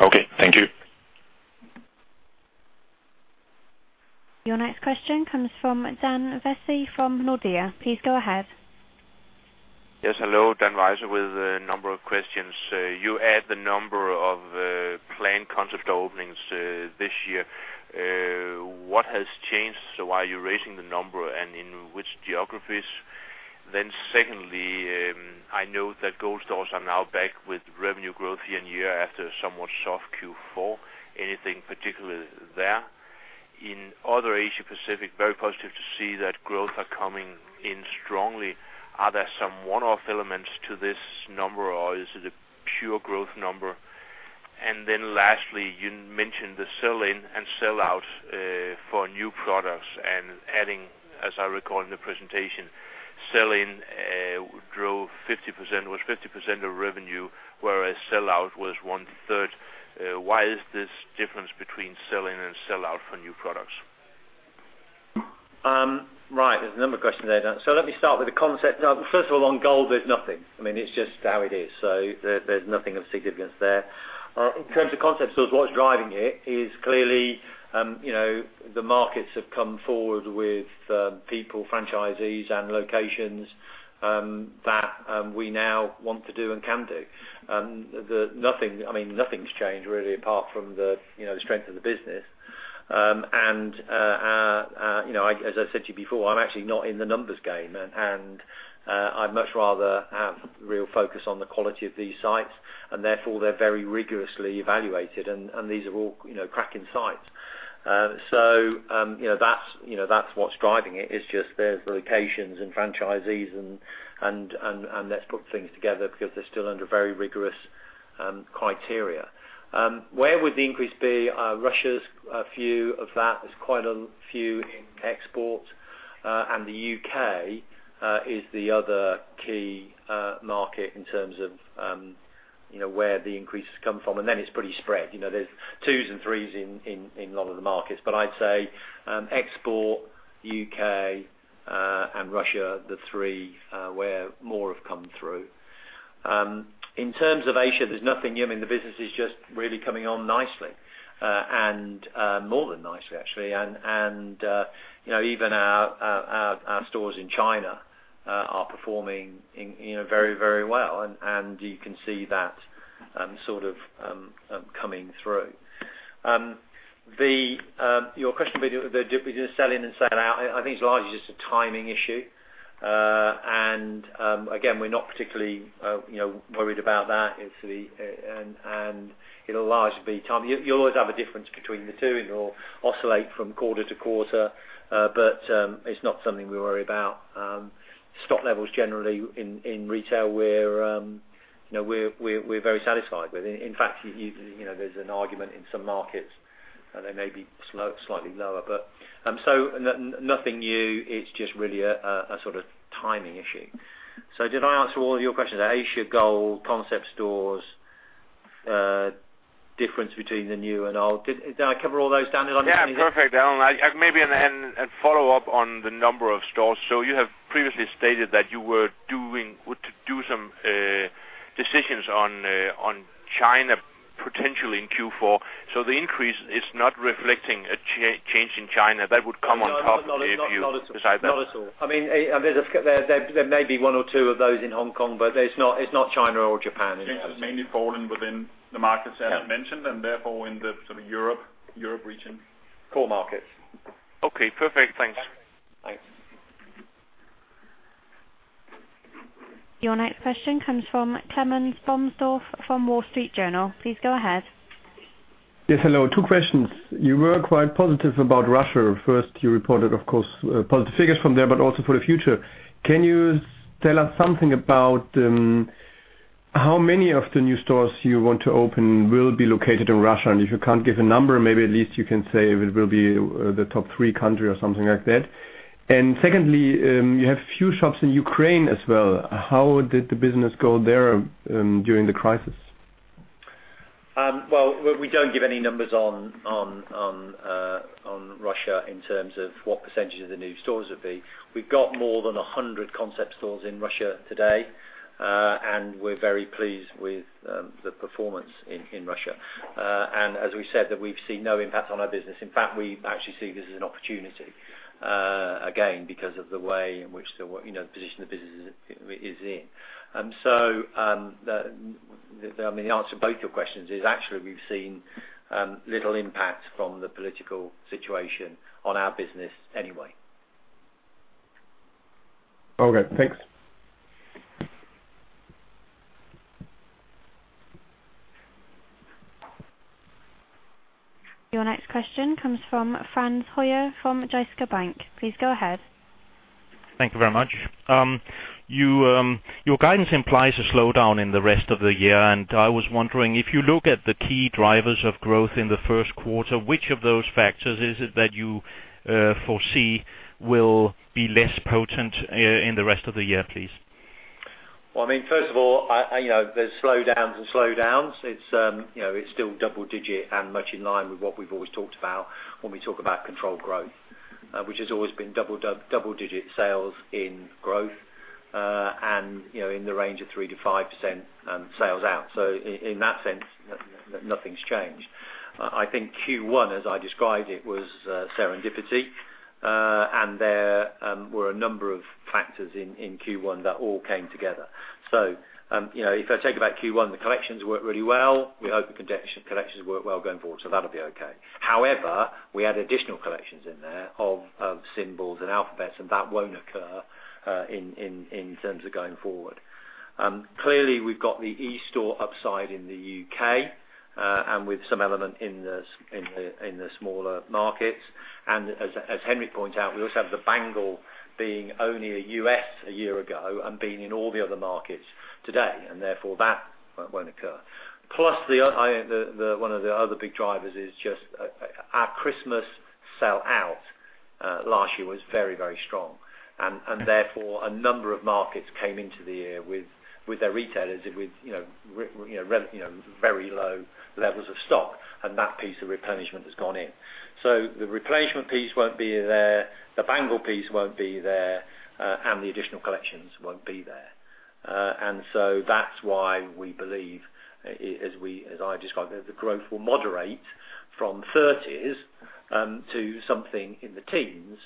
Okay, thank you. Your next question comes from Dan Wejse from Nordea. Please go ahead. Yes, hello, Dan Wejse with a number of questions. You add the number of planned concept openings this year. What has changed? So why are you raising the number, and in which geographies? Then secondly, I know that gold stores are now back with revenue growth year on year after a somewhat soft Q4. Anything particular there? In other Asia Pacific, very positive to see that growth are coming in strongly. Are there some one-off elements to this number, or is it a pure growth number? And then lastly, you mentioned the sell-in and sellout for new products and adding, as I recall in the presentation, sell-in grew 50%, was 50% of revenue, whereas sellout was one third. Why is this difference between sell-in and sellout for new products? Right, there's a number of questions there, Dan. So let me start with the concept. Now, first of all, on gold, there's nothing. I mean, it's just how it is, so there, there's nothing of significance there. In terms of concept, so what's driving it is clearly, you know, the markets have come forward with people, franchisees and locations that we now want to do and can do. Nothing, I mean, nothing's changed really, apart from the, you know, strength of the business. And you know, as I said to you before, I'm actually not in the numbers game, and I'd much rather have real focus on the quality of these sites, and these are all, you know, cracking sites. So, you know, that's, you know, that's what's driving it, is just there's locations and franchisees and let's put things together because they're still under very rigorous criteria. Where would the increase be? Russia's a few of that. There's quite a few in exports, and the U.K. is the other key market in terms of, you know, where the increases come from, and then it's pretty spread. You know, there's 2s and 3s in a lot of the markets, but I'd say, export, U.K., and Russia, the three where more have come through. In terms of Asia, there's nothing new. I mean, the business is just really coming on nicely, and more than nicely, actually. You know, even our stores in China are performing, you know, very, very well, and you can see that sort of coming through. Your question between the sell-in and sell-out, I think it's largely just a timing issue. And again, we're not particularly, you know, worried about that. It's the... And it'll largely be time. You'll always have a difference between the two, and it will oscillate from quarter to quarter, but it's not something we worry about. Stock levels, generally in retail, you know, we're very satisfied with. In fact, you know, there's an argument in some markets that they may be slow, slightly lower, but so nothing new, it's just really a sort of timing issue. So did I answer all of your questions? Asia, gold, concept stores, difference between the new and old. Did I cover all those, Daniel? Yeah, perfect, Allan. Maybe follow up on the number of stores. So you have previously stated that you were to do some decisions on China, potentially in Q4. So the increase is not reflecting a change in China? That would come on top of the- Not, not at all. view, besides that. Not at all. I mean, there may be one or two of those in Hong Kong, but it's not China or Japan. It's mainly fallen within the markets- Yeah... as I mentioned, and therefore in the sort of Europe, Europe region. Core markets. Okay, perfect. Thanks. Thanks. Your next question comes from Clemens Bomsdorf from Wall Street Journal. Please go ahead. Yes, hello. Two questions. You were quite positive about Russia. First, you reported, of course, positive figures from there, but also for the future. Can you tell us something about, how many of the new stores you want to open will be located in Russia? And if you can't give a number, maybe at least you can say if it will be, the top three country or something like that. And secondly, you have a few shops in Ukraine as well. How did the business go there, during the crisis?... Well, we don't give any numbers on Russia in terms of what percentage of the new stores would be. We've got more than 100 Concept stores in Russia today, and we're very pleased with the performance in Russia. And as we said, that we've seen no impact on our business. In fact, we actually see this as an opportunity, again, because of the way in which the, you know, the position the business is in. And so, I mean, the answer to both your questions is actually, we've seen little impact from the political situation on our business anyway. Okay, thanks. Your next question comes from Frans Høyer, from Jyske Bank. Please go ahead. Thank you very much. You, your guidance implies a slowdown in the rest of the year, and I was wondering: if you look at the key drivers of growth in the first quarter, which of those factors is it that you foresee will be less potent in the rest of the year, please? Well, I mean, first of all, you know, there's slowdowns and slowdowns. It's, you know, it's still double-digit and much in line with what we've always talked about when we talk about controlled growth, which has always been double-digit sales in growth, and, you know, in the range of 3%-5%, sales out. So in that sense, nothing's changed. I think Q1, as I described it, was serendipity, and there were a number of factors in Q1 that all came together. So, you know, if I think about Q1, the collections worked really well. We hope the collections work well going forward, so that'll be okay. However, we had additional collections in there of symbols and alphabets, and that won't occur in terms of going forward. Clearly, we've got the e-store upside in the U.K., and with some element in the smaller markets. And as Henrik pointed out, we also have the bangle being only in U.S. a year ago and being in all the other markets today, and therefore, that won't occur. Plus, the one of the other big drivers is just, our Christmas sell-out last year was very, very strong. And therefore, a number of markets came into the year with their retailers with, you know, very low levels of stock, and that piece of replenishment has gone in. So the replacement piece won't be there, the bangle piece won't be there, and the additional collections won't be there. And so that's why we believe, as we, as I described, the growth will moderate from 30s to something in the teens,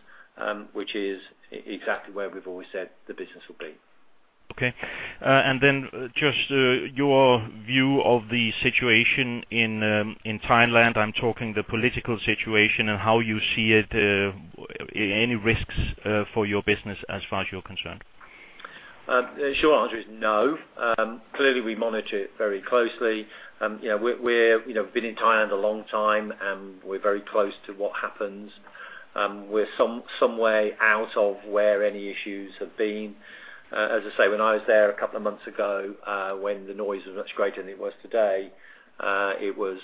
which is exactly where we've always said the business will be. Okay. And then just your view of the situation in Thailand, I'm talking the political situation and how you see it, any risks for your business as far as you're concerned? The short answer is no. Clearly, we monitor it very closely. You know, we're been in Thailand a long time, and we're very close to what happens. We're some way out of where any issues have been. As I say, when I was there a couple of months ago, when the noise was much greater than it was today, it was,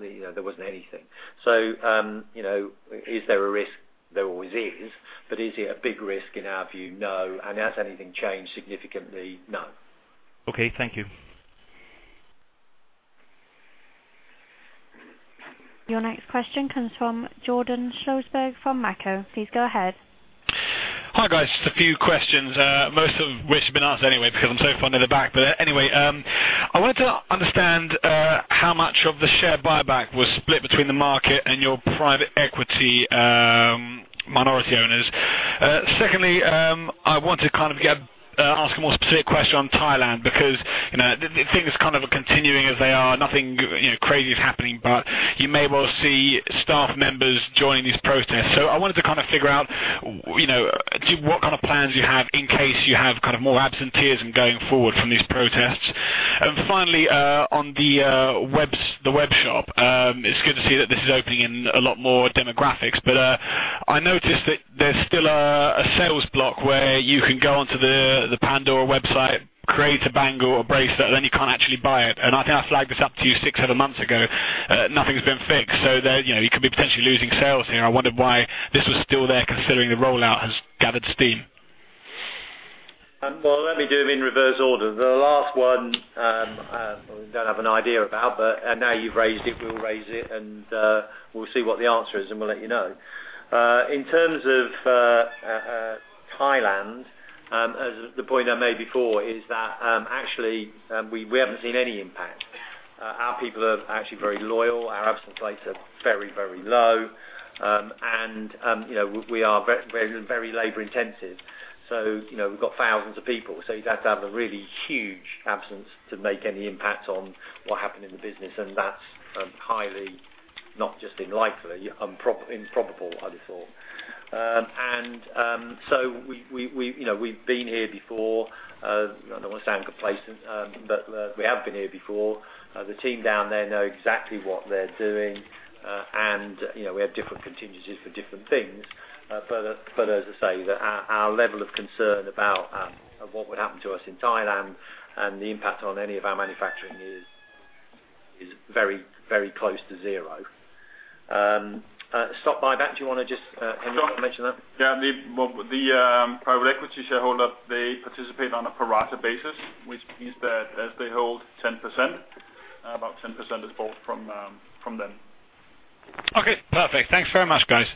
you know, there wasn't anything. So, you know, is there a risk? There always is. But is it a big risk in our view? No. And has anything changed significantly? No. Okay. Thank you. Your next question comes from Jordan Shlesberg, from MainFirst Bank AG. Please go ahead. Hi, guys, just a few questions, most of which have been asked anyway because I'm so far near the back. But anyway, I wanted to understand how much of the share buyback was split between the market and your private equity minority owners. Secondly, I want to kind of ask a more specific question on Thailand, because, you know, things kind of are continuing as they are, nothing, you know, crazy is happening, but you may well see staff members joining these protests. So I wanted to kind of figure out, you know, what kind of plans you have in case you have kind of more absentees going forward from these protests? Finally, on the web, the web shop, it's good to see that this is opening in a lot more demographics, but I noticed that there's still a sales block where you can go onto the Pandora website, create a bangle or bracelet, then you can't actually buy it. I think I flagged this up to you six, seven months ago, nothing's been fixed, so there, you know, you could be potentially losing sales here. I wondered why this was still there, considering the rollout has gathered steam. Well, let me do them in reverse order. The last one, we don't have an idea about, but now you've raised it, we'll raise it, and we'll see what the answer is, and we'll let you know. In terms of Thailand, as the point I made before, is that actually we haven't seen any impact. Our people are actually very loyal, our absence rates are very, very low. And you know, we are very, very labor intensive, so you know, we've got thousands of people, so you'd have to have a really huge absence to make any impact on what happened in the business, and that's highly not just unlikely, improbable, I'd have thought. So we, you know, we've been here before. I don't wanna sound complacent, but we have been here before. The team down there know exactly what they're doing, and, you know, we have different contingencies for different things. But as I say, our level of concern about what would happen to us in Thailand and the impact on any of our manufacturing is very, very close to zero. Stock buyback, do you want to just mention that? Yeah, well, the private equity shareholder, they participate on a pro rata basis, which means that as they hold 10%, about 10% is bought from them. Okay, perfect. Thanks very much, guys.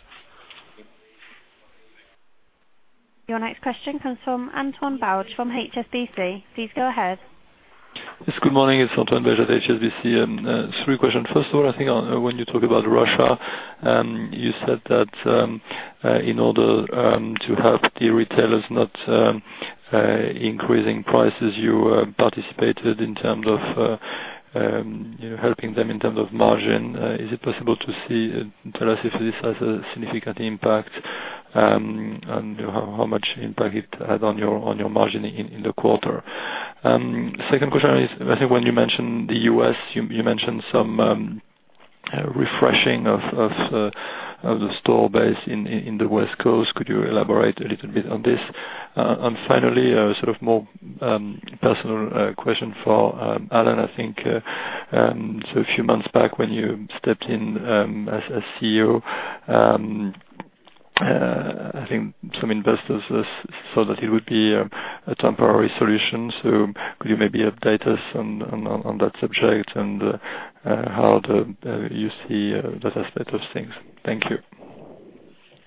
Your next question comes from Antoine Belge from HSBC. Please go ahead. Yes, good morning. It's Antoine Belge at HSBC, and three questions. First of all, I think when you talk about Russia, you said that in order to help the retailers not increasing prices, you participated in terms of you know, helping them in terms of margin. Is it possible to see, tell us if this has a significant impact, and how much impact it had on your margin in the quarter? Second question is, I think when you mentioned the U.S., you mentioned some refreshing of the store base in the West Coast. Could you elaborate a little bit on this? And finally, a sort of more personal question for Allan, I think. So a few months back when you stepped in as CEO, I think some investors saw that it would be a temporary solution. So could you maybe update us on that subject and how you see that aspect of things? Thank you.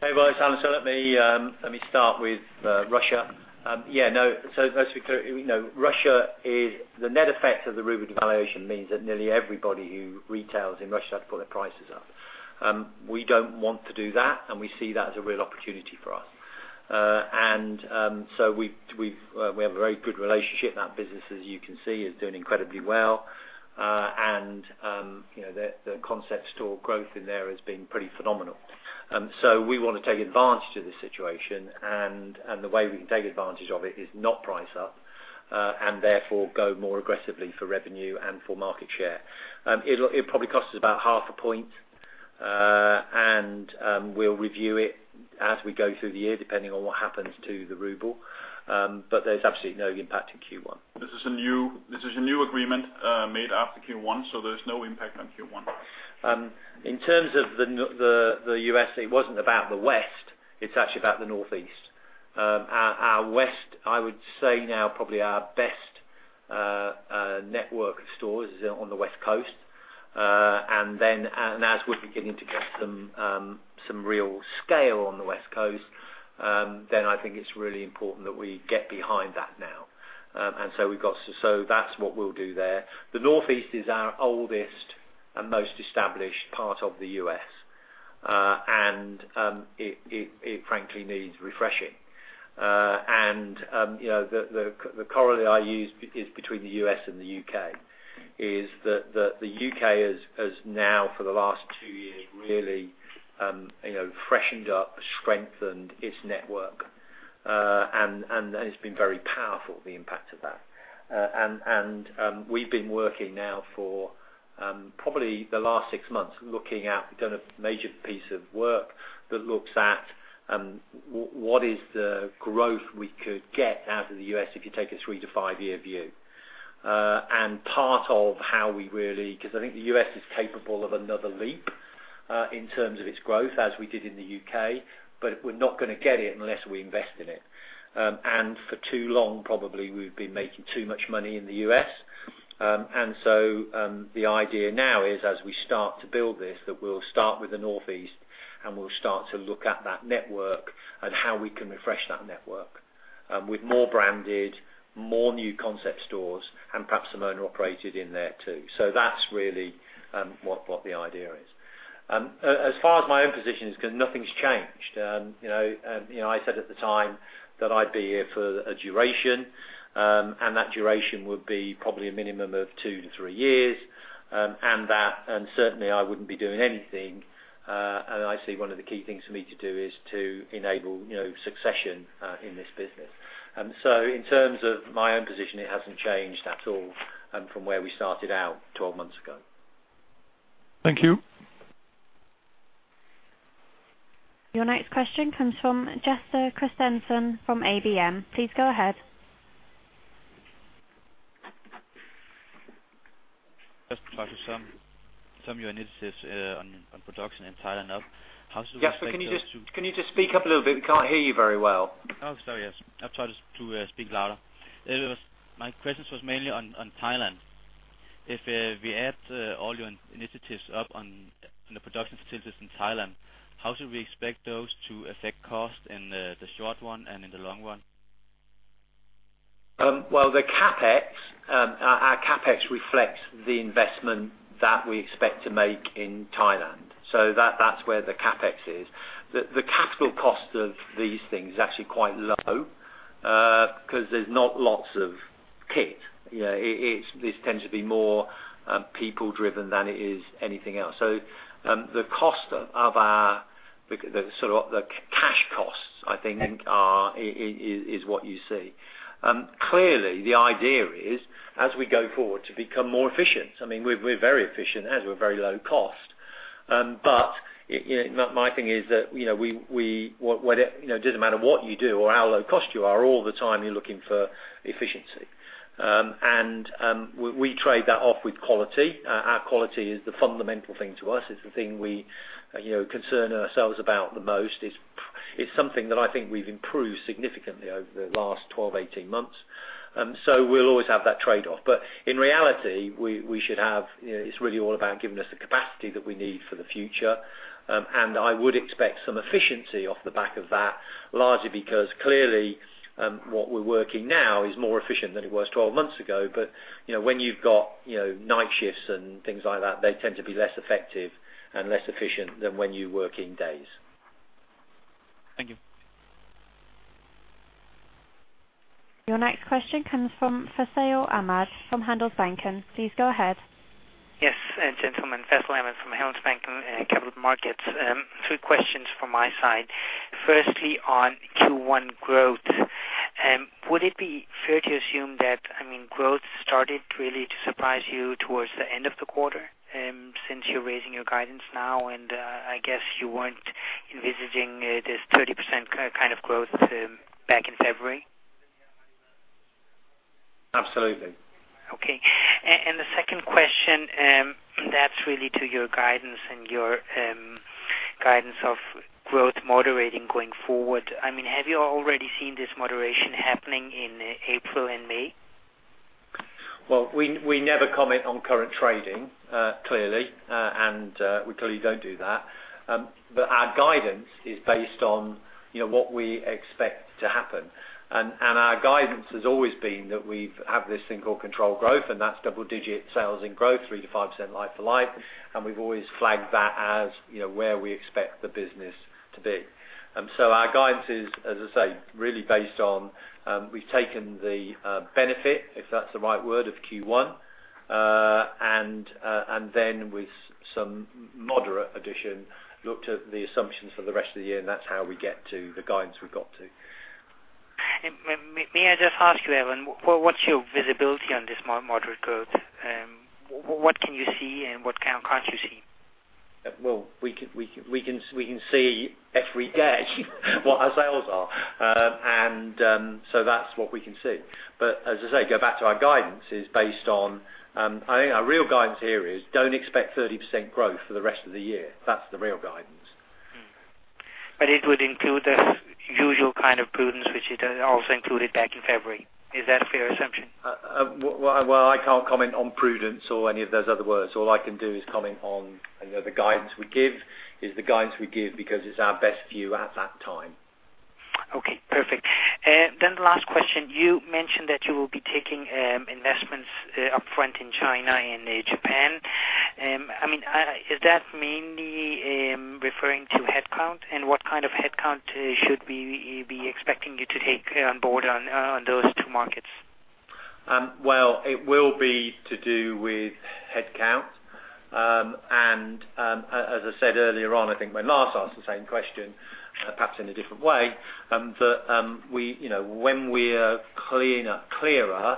Hey, guys, Antoine, let me start with Russia. Yeah, no, so just to be clear, you know, Russia is the net effect of the ruble devaluation means that nearly everybody who retails in Russia has put their prices up. We don't want to do that, and we see that as a real opportunity for us. And, so we have a very good relationship. That business, as you can see, is doing incredibly well. And, you know, the Concept Store growth in there has been pretty phenomenal. So we want to take advantage of this situation, and the way we can take advantage of it is not price up, and therefore, go more aggressively for revenue and for market share. It'll probably cost us about 0.5 point, and we'll review it as we go through the year, depending on what happens to the ruble. But there's absolutely no impact in Q1. This is a new agreement, made after Q1, so there's no impact on Q1. In terms of the U.S., it wasn't about the West, it's actually about the Northeast. Our West, I would say now, probably our best network of stores is on the West Coast. And then, as we're beginning to get some real scale on the West Coast, then I think it's really important that we get behind that now. And so we've got. So that's what we'll do there. The Northeast is our oldest and most established part of the U.S., and it frankly needs refreshing. And you know, the corollary I use is between the U.S. and the U.K., is that the U.K. has now for the last two years, really, you know, freshened up, strengthened its network. It's been very powerful, the impact of that. We've been working now for probably the last six months, looking at... We've done a major piece of work that looks at what is the growth we could get out of the U.S. if you take a three to five year view. Part of how we really... 'cause I think the U.S. is capable of another leap in terms of its growth, as we did in the U.K., but we're not gonna get it unless we invest in it. For too long, probably, we've been making too much money in the U.S. The idea now is, as we start to build this, that we'll start with the Northeast, and we'll start to look at that network and how we can refresh that network with more branded, more new Concept stores and perhaps some owner-operated in there, too. So that's really what the idea is. As far as my own position is concerned, nothing's changed. You know, I said at the time that I'd be here for a duration, and that duration would be probably a minimum of two to three years, and certainly I wouldn't be doing anything, and I see one of the key things for me to do is to enable, you know, succession in this business. So in terms of my own position, it hasn't changed at all, from where we started out 12 months ago. Thank you. Your next question comes from Jesper Christensen from Alm. Brand Markets. Please go ahead. Just to talk to some of your initiatives on production in Thailand up. How soon- Jesper, can you just, can you just speak up a little bit? We can't hear you very well. Oh, sorry, yes. I'll try to speak louder. It was... My questions was mainly on Thailand. If we add all your initiatives up on the production facilities in Thailand, how should we expect those to affect cost in the short one and in the long run? Well, the CapEx, our, our CapEx reflects the investment that we expect to make in Thailand, so that's where the CapEx is. The, the capital cost of these things is actually quite low, 'cause there's not lots of kit. You know, it, it's. This tends to be more people driven than it is anything else. So, the cost of our, the, the sort of, the cash costs, I think, are, is, is what you see. Clearly, the idea is, as we go forward, to become more efficient. I mean, we're, we're very efficient as we're very low cost. But, you know, my, my thing is that, you know, we, we, what it, you know, it doesn't matter what you do or how low cost you are, all the time you're looking for efficiency. We trade that off with quality. Our quality is the fundamental thing to us. It's the thing we, you know, concern ourselves about the most. It's something that I think we've improved significantly over the last 12-18 months. We'll always have that trade-off. But in reality, we should have, you know, it's really all about giving us the capacity that we need for the future. I would expect some efficiency off the back of that, largely because clearly, what we're working now is more efficient than it was 12 months ago. But, you know, when you've got, you know, night shifts and things like that, they tend to be less effective and less efficient than when you work in days. Thank you. Your next question comes from Faisal Ahmad, from Handelsbanken. Please go ahead. Yes, gentlemen. Faisal Ahmad from Handelsbanken and Capital Markets. Two questions from my side. Firstly, on Q1 growth, would it be fair to assume that, I mean, growth started really to surprise you towards the end of the quarter, since you're raising your guidance now, and I guess you weren't envisaging this 30% kind of growth back in February? Absolutely. Okay. The second question, that's really to your guidance and your guidance of growth moderating going forward. I mean, have you already seen this moderation happening in April and May? Well, we never comment on current trading, clearly, and we clearly don't do that. But our guidance is based on, you know, what we expect to happen. And our guidance has always been that we've have this thing called controlled growth, and that's double-digit sales and growth, 3%-5% like for like, and we've always flagged that as, you know, where we expect the business to be. So our guidance is, as I say, really based on, we've taken the benefit, if that's the right word, of Q1. And then with some moderate addition, looked at the assumptions for the rest of the year, and that's how we get to the guidance we've got to. May I just ask you, Allan, what's your visibility on this moderate growth? What can you see and what can't you see? Well, we can see every day what our sales are. And so that's what we can see. But as I say, go back to our guidance is based on. I think our real guidance here is don't expect 30% growth for the rest of the year. That's the real guidance. But it would include the usual kind of prudence, which you'd also included back in February. Is that a fair assumption? Well, I can't comment on prudence or any of those other words. All I can do is comment on, you know, the guidance we give, is the guidance we give because it's our best view at that time. Okay, perfect. Then the last question, you mentioned that you will be taking investments upfront in China and Japan. I mean, is that mainly referring to headcount? And what kind of headcount should we be expecting you to take on board on, on those two markets? Well, it will be to do with headcount. As I said earlier on, I think when last asked the same question, perhaps in a different way, that we, you know, when we're cleaner, clearer,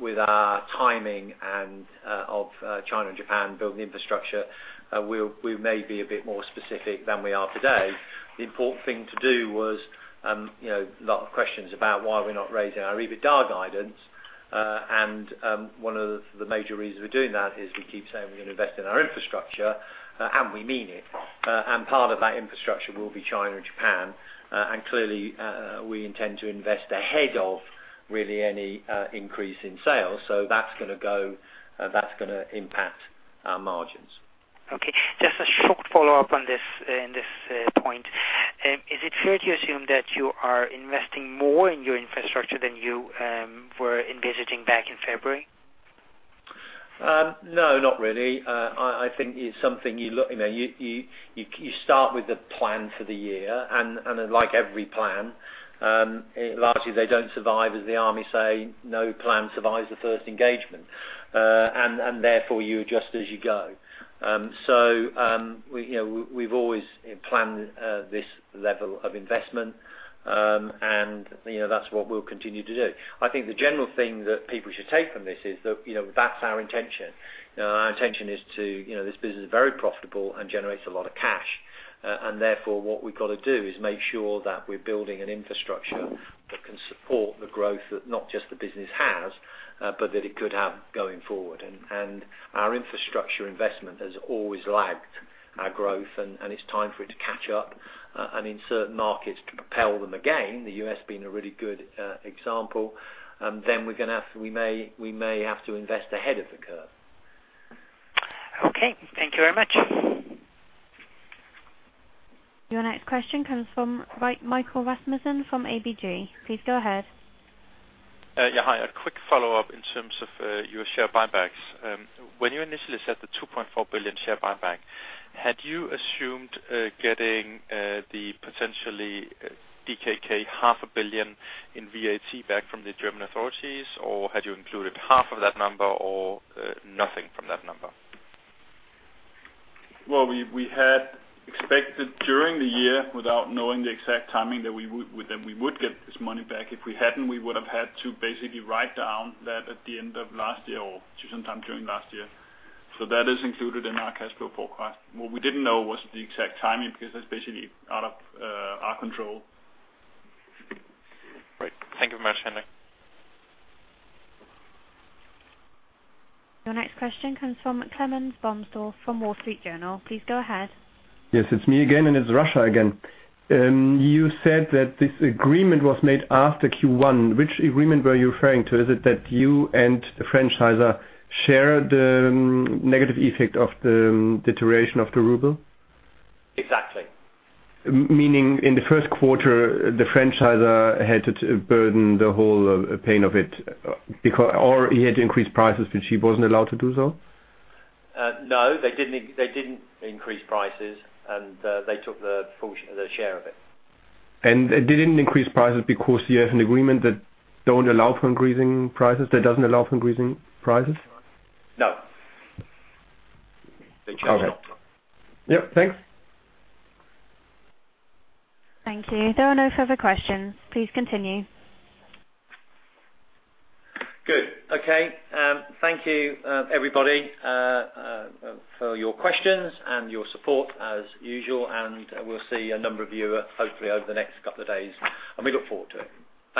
with our timing and of China and Japan building infrastructure, we may be a bit more specific than we are today. The important thing to do was, you know, a lot of questions about why we're not raising our EBITDA guidance. One of the major reasons we're doing that is we keep saying we're going to invest in our infrastructure, and we mean it. Part of that infrastructure will be China and Japan. Clearly, we intend to invest ahead of really any increase in sales. So that's gonna go, that's gonna impact our margins. Okay. Just a short follow-up on this, in this point. Is it fair to assume that you are investing more in your infrastructure than you were envisaging back in February? No, not really. I think it's something you start with the plan for the year, and like every plan, largely, they don't survive, as the army say, "No plan survives the first engagement." And therefore, you adjust as you go. So, we, you know, we've always planned this level of investment, and, you know, that's what we'll continue to do. I think the general thing that people should take from this is that, you know, that's our intention. Now, our intention is to, you know, this business is very profitable and generates a lot of cash. And therefore, what we've got to do is make sure that we're building an infrastructure that can support the growth that not just the business has, but that it could have going forward. Our infrastructure investment has always lagged our growth, and it's time for it to catch up, and in certain markets, to propel them again, the U.S. being a really good example, then we're gonna have to. We may have to invest ahead of the curve. Okay, thank you very much. Your next question comes from Michael Rasmussen from ABG. Please go ahead. Yeah, hi. A quick follow-up in terms of your share buybacks. When you initially set the 2.4 billion share buyback, had you assumed getting the potentially 0.5 billion DKK in VAT back from the German authorities? Or had you included half of that number or nothing from that number? Well, we had expected during the year, without knowing the exact timing, that we would get this money back. If we hadn't, we would have had to basically write down that at the end of last year or sometime during last year. So that is included in our cash flow forecast. What we didn't know was the exact timing, because that's basically out of our control. Great. Thank you very much, Henrik. Your next question comes from Clemens Bomsdorf from Wall Street Journal. Please go ahead. Yes, it's me again, and it's Russia again. You said that this agreement was made after Q1. Which agreement were you referring to? Is it that you and the franchisor shared the negative effect of the deterioration of the ruble? Exactly. Meaning in the first quarter, the franchisor had to burden the whole pain of it, because or he had to increase prices, but she wasn't allowed to do so? No, they didn't, they didn't increase prices, and they took the portion, the share of it. They didn't increase prices because you have an agreement that don't allow for increasing prices, that doesn't allow for increasing prices? No. Okay. Yep, thanks. Thank you. There are no further questions. Please continue. Good. Okay, thank you, everybody, for your questions and your support as usual, and we'll see a number of you hopefully over the next couple of days, and we look forward to it.